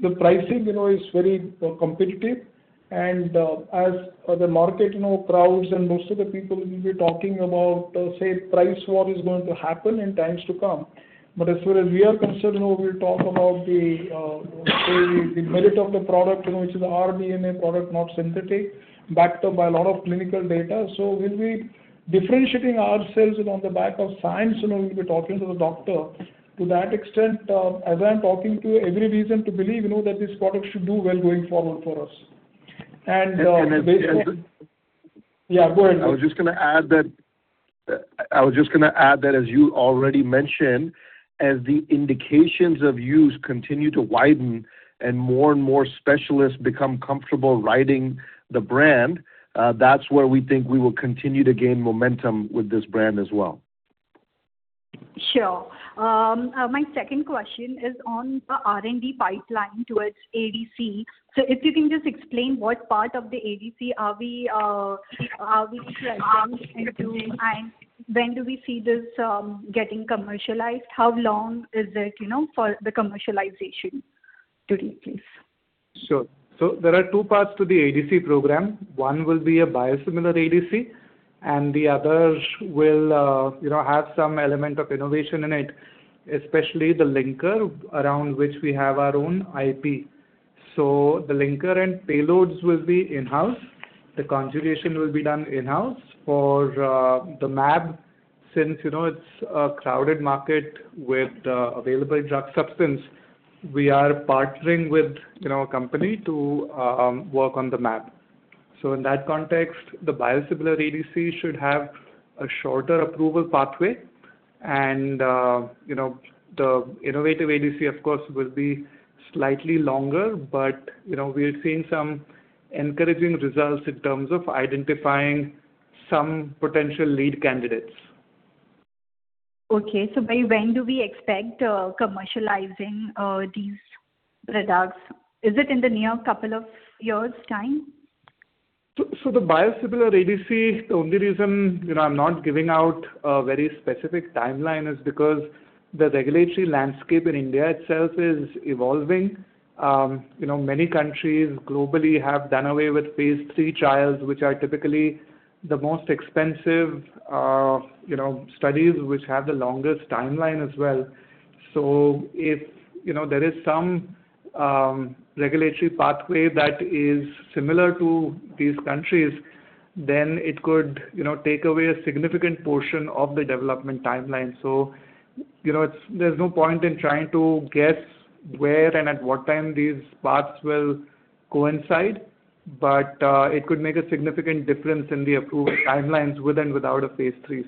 the pricing, you know, is very competitive, and as the market, you know, crowds and most of the people will be talking about, say price war is going to happen in times to come. As far as we are concerned, you know, we'll talk about the say the merit of the product, you know, which is a rDNA product, not synthetic, backed up by a lot of clinical data. We'll be differentiating ourselves, you know, on the back of science, you know, we'll be talking to the doctor. To that extent, as I am talking to you, every reason to believe, you know, that this product should do well going forward for us. Based on. And, and as- Yeah, go ahead. I was just gonna add that, as you already mentioned, as the indications of use continue to widen and more and more specialists become comfortable writing the brand, that's where we think we will continue to gain momentum with this brand as well. Sure. My second question is on the R&D pipeline towards ADC. If you can just explain what part of the ADC are we planning to do and when do we see this getting commercialized? How long is it, you know, for the commercialization to release? Sure. There are two parts to the ADC program. One will be a biosimilar ADC, and the other will, you know, have some element of innovation in it, especially the linker around which we have our own IP. The linker and payloads will be in-house. The conjugation will be done in-house. For the mAb, since you know it's a crowded market with available drug substance, we are partnering with, you know, a company to work on the mAb. In that context, the biosimilar ADC should have a shorter approval pathway and, you know, the innovative ADC of course will be slightly longer, but you know, we are seeing some encouraging results in terms of identifying some potential lead candidates. Okay. By when do we expect commercializing these products? Is it in the near couple of years' time? The biosimilar ADC, the only reason, you know, I'm not giving out a very specific timeline is because the regulatory landscape in India itself is evolving. You know, many countries globally have done away with phase III trials, which are typically the most expensive, you know, studies which have the longest timeline as well. If, you know, there is some regulatory pathway that is similar to these countries, then it could, you know, take away a significant portion of the development timeline. You know, there's no point in trying to guess where and at what time these paths will coincide, but it could make a significant difference in the approval timelines with and without a phase III.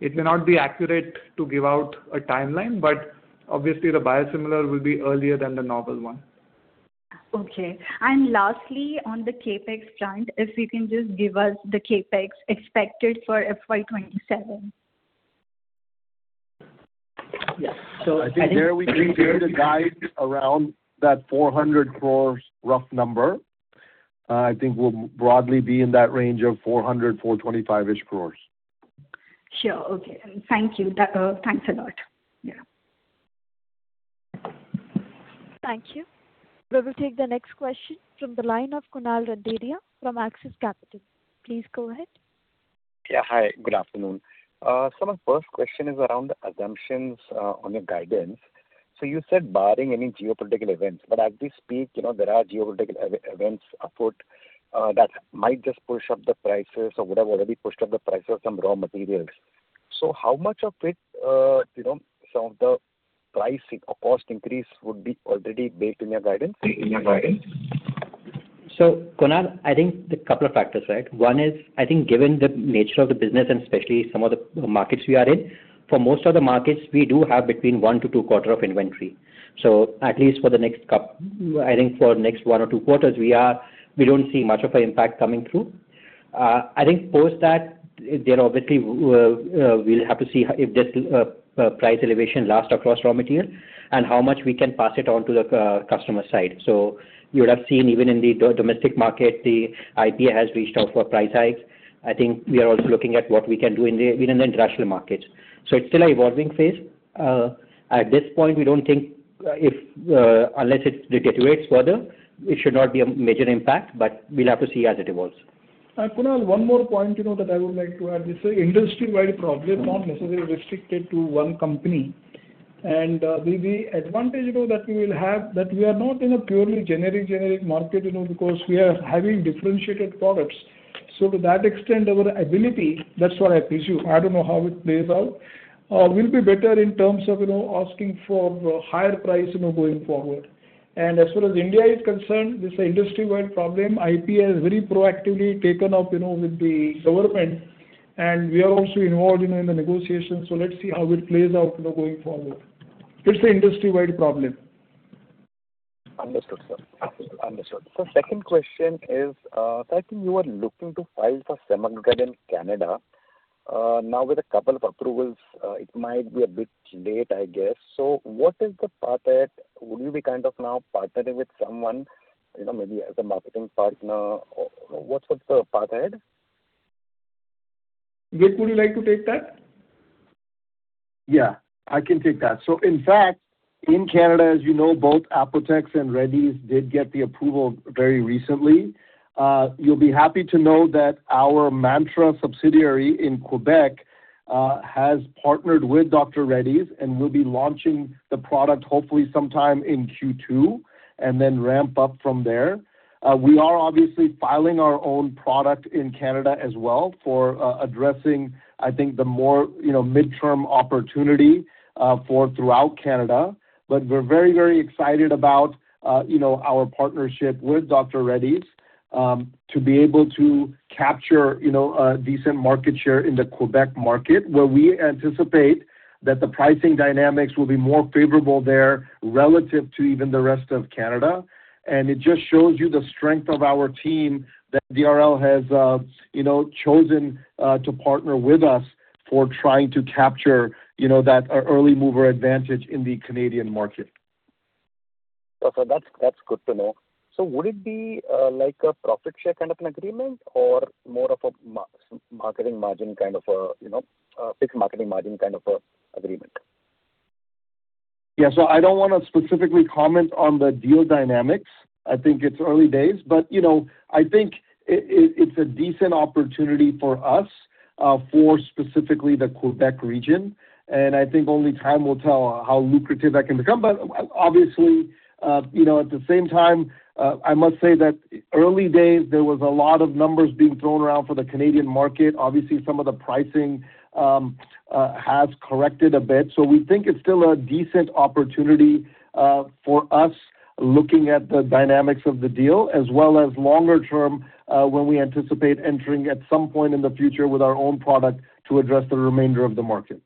It may not be accurate to give out a timeline, but obviously the biosimilar will be earlier than the novel one. Okay. Lastly, on the CapEx front, if you can just give us the CapEx expected for FY 2027? Yeah. I think there we can give the guide around that 400 crores rough number. I think we'll broadly be in that range of 400 crores-425-ish crores. Sure. Okay. Thank you. Thanks a lot. Yeah. Thank you. We will take the next question from the line of Kunal Randeria from Axis Capital. Please go ahead. Yeah. Hi, good afternoon. My first question is around the assumptions on your guidance. You said barring any geopolitical events, as we speak, you know, there are geopolitical events afoot that might just push up the prices or would have already pushed up the prices of some raw materials. How much of it, you know, some of the pricing or cost increase would be already baked in your guidance? Kunal, I think there are couple of factors, right? One is, I think, given the nature of the business and especially some of the markets we are in, for most of the markets, we do have between one to two quarters of inventory. At least for the next couple I think for next one or two quarters, we don't see much of an impact coming through. I think post that, there obviously, we'll have to see if this price elevation lasts across raw material and how much we can pass it on to the customer side. You would have seen even in the domestic market, the IPA has reached out for price hikes. I think we are also looking at what we can do in the international markets. It's still an evolving phase. At this point, we don't think, if, unless it deteriorates further, it should not be a major impact, but we'll have to see as it evolves. Kunal, one more point, you know, that I would like to add. This is an industry-wide problem, not necessarily restricted to one company. The advantage, you know, that we will have, that we are not in a purely generic market, you know, because we are having differentiated products. To that extent, our ability, that's what I presume, I don't know how it plays out, will be better in terms of, you know, asking for higher price, you know, going forward. As far as India is concerned, this is an industry-wide problem. IPA has very proactively taken up, you know, with the government, and we are also involved, you know, in the negotiations. Let's see how it plays out, you know, going forward. It's an industry-wide problem. Understood, sir. Understood. second question is, I think you are looking to file for semaglutide in Canada. Now with two approvals, it might be a bit late, I guess. What is the path ahead? Would you be kind of now partnering with someone, you know, maybe as a marketing partner or what's the path ahead? Vik, would you like to take that? Yeah, I can take that. In fact, in Canada, as you know, both Apotex and Reddy's did get the approval very recently. You'll be happy to know that our Mantra subsidiary in Quebec has partnered with Dr. Reddy's, and we'll be launching the product hopefully sometime in Q2 and then ramp up from there. We are obviously filing our own product in Canada as well for addressing, I think, the more, you know, midterm opportunity for throughout Canada. We're very, very excited about, you know, our partnership with Dr. Reddy's to be able to capture, you know, a decent market share in the Quebec market, where we anticipate that the pricing dynamics will be more favorable there relative to even the rest of Canada. It just shows you the strength of our team that DRL has, you know, chosen to partner with us for trying to capture, you know, that early mover advantage in the Canadian market. That's good to know. Would it be like a profit share kind of an agreement or more of a marketing margin, kind of a, you know, a fixed marketing margin kind of agreement? Yeah. I don't want to specifically comment on the deal dynamics. I think it's early days, but you know, I think it's a decent opportunity for us, for specifically the Quebec region, and I think only time will tell how lucrative that can become. Obviously, you know, at the same time, I must say that early days there was a lot of numbers being thrown around for the Canadian market. Obviously, some of the pricing has corrected a bit. We think it's still a decent opportunity, for us looking at the dynamics of the deal, as well as longer term, when we anticipate entering at some point in the future with our own product to address the remainder of the market.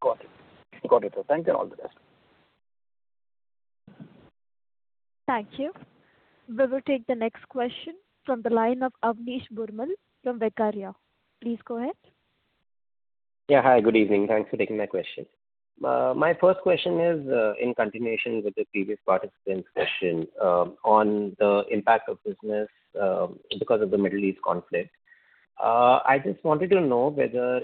Got it. Thank you and all the best. Thank you. We will take the next question from the line of Avnish Burman from Vaikarya. Please go ahead. Yeah. Hi, good evening. Thanks for taking my question. My first question is in continuation with the previous participant's question on the impact of business because of the Middle East conflict. I just wanted to know whether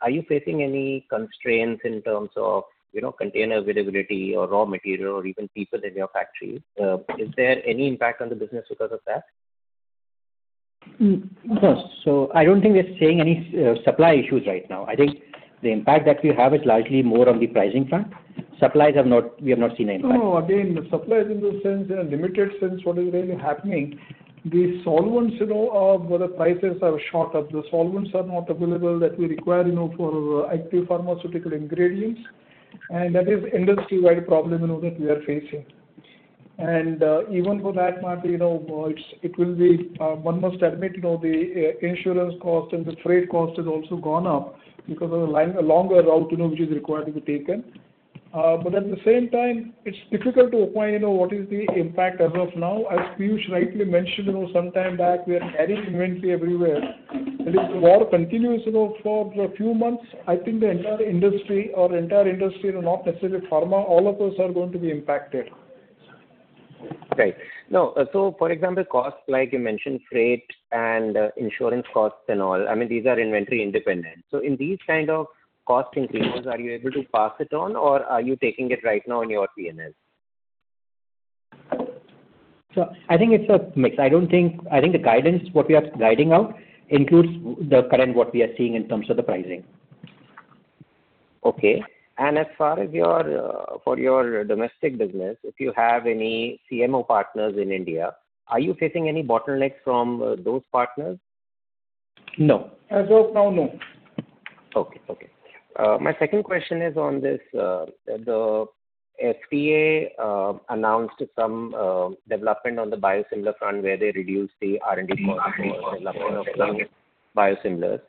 are you facing any constraints in terms of, you know, container availability or raw material or even people in your factories? Is there any impact on the business because of that? No. I don't think we're seeing any supply issues right now. I think the impact that we have is largely more on the pricing front. We have not seen any impact. No, again, supplies in the sense, in a limited sense, what is really happening, the solvents, you know, where the prices have shot up. The solvents are not available that we require, you know, for active pharmaceutical ingredients, and that is industry-wide problem, you know, that we are facing. Even for that matter, you know, it will be, one must admit, you know, the insurance cost and the freight cost has also gone up because of the line, longer route, you know, which is required to be taken. At the same time, it's difficult to opine, you know, what is the impact as of now. As Piyush rightly mentioned, you know, some time back, we are carrying inventory everywhere. If the war continues, you know, for a few months, I think the entire industry, you know, not necessarily pharma, all of us are going to be impacted. Right. Now, for example, costs like you mentioned freight and insurance costs and all, I mean, these are inventory independent. In these kind of cost increases, are you able to pass it on or are you taking it right now in your P&L? I think it's a mix. I don't think the guidance, what we are guiding out includes the current, what we are seeing in terms of the pricing. Okay. For your domestic business, if you have any CMO partners in India, are you facing any bottlenecks from those partners? No. As of now, no. Okay. Okay. My second question is on this, the FDA announced some development on the biosimilar front, where they reduced the R&D cost for developing biosimilars.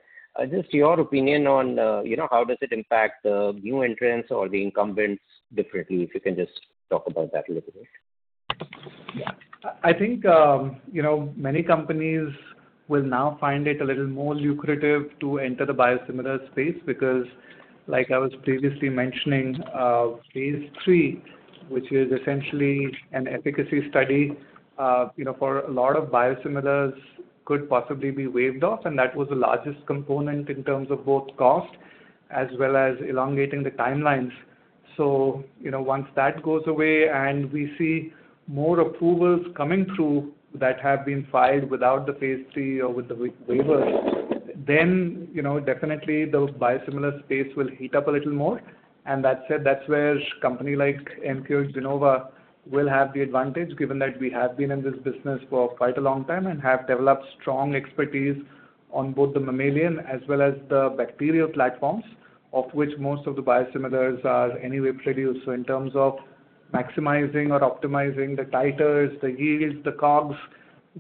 Just your opinion on, you know, how does it impact the new entrants or the incumbents differently? If you can just talk about that a little bit. Yeah. I think, you know, many companies will now find it a little more lucrative to enter the biosimilar space because, like I was previously mentioning, phase III, which is essentially an efficacy study, you know, for a lot of biosimilars could possibly be waived off, and that was the largest component in terms of both cost as well as elongating the timelines. You know, once that goes away and we see more approvals coming through that have been filed without the phase III or with the waiver, you know, definitely those biosimilar space will heat up a little more. That said, that's where company like Emcure Gennova will have the advantage, given that we have been in this business for quite a long time and have developed strong expertise on both the mammalian as well as the bacterial platforms, of which most of the biosimilars are anyway produced. In terms of maximizing or optimizing the titers, the yields, the COGS,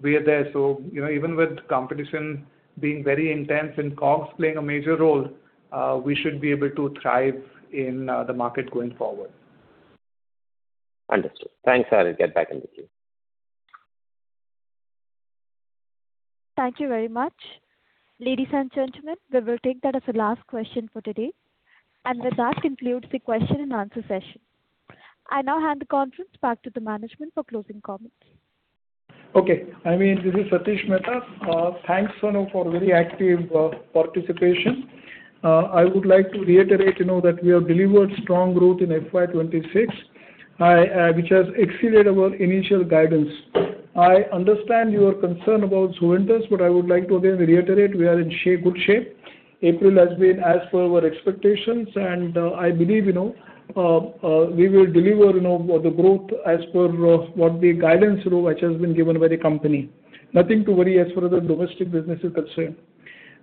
we are there. You know, even with competition being very intense and COGS playing a major role, we should be able to thrive in the market going forward. Understood. Thanks. I will get back in the queue. Thank you very much. Ladies and gentlemen, we will take that as the last question for today. With that concludes the question-and-answer session. I now hand the conference back to the management for closing comments. Okay. I mean, this is Satish Mehta. Thanks, all of you, for very active participation. I would like to reiterate, you know, that we have delivered strong growth in FY 2026. I, which has exceeded our initial guidance. I understand your concern about Zuventus, but I would like to again reiterate we are in good shape. April has been as per our expectations and, I believe, you know, we will deliver, you know, the growth as per what the guidance, you know, which has been given by the company. Nothing to worry as far as the domestic business is concerned.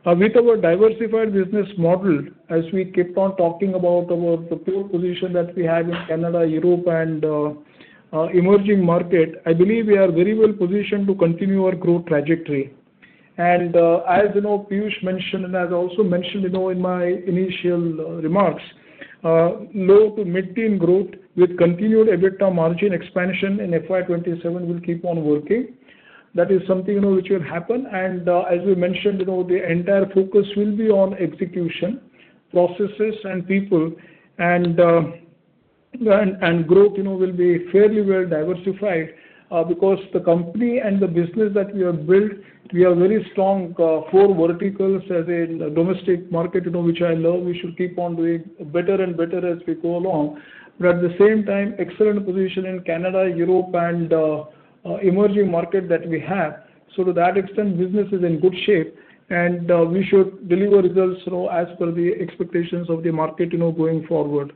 With our diversified business model, as we keep on talking about the poor position that we have in Canada, Europe and emerging market, I believe we are very well positioned to continue our growth trajectory. As you know, Piyush mentioned, and as I also mentioned, you know, in my initial remarks, low to mid-teen growth with continued EBITDA margin expansion in FY 2027 will keep on working. That is something, you know, which will happen. As we mentioned, you know, the entire focus will be on execution, processes and people and growth, you know, will be fairly well diversified because the company and the business that we have built, we have very strong four verticals as in domestic market, you know, which I know we should keep on doing better and better as we go along. At the same time, excellent position in Canada, Europe and emerging market that we have. To that extent business is in good shape and we should deliver results, you know, as per the expectations of the market, you know, going forward.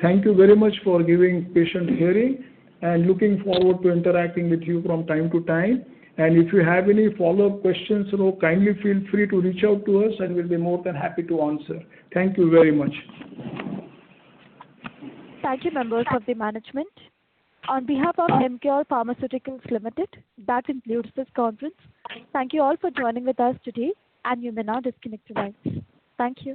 Thank you very much for giving patient hearing and looking forward to interacting with you from time-to-time. If you have any follow-up questions, you know, kindly feel free to reach out to us and we'll be more than happy to answer. Thank you very much. Thank you, members of the management. On behalf of Emcure Pharmaceuticals Limited, that concludes this conference. Thank you all for joining with us today, and you may now disconnect your lines. Thank you.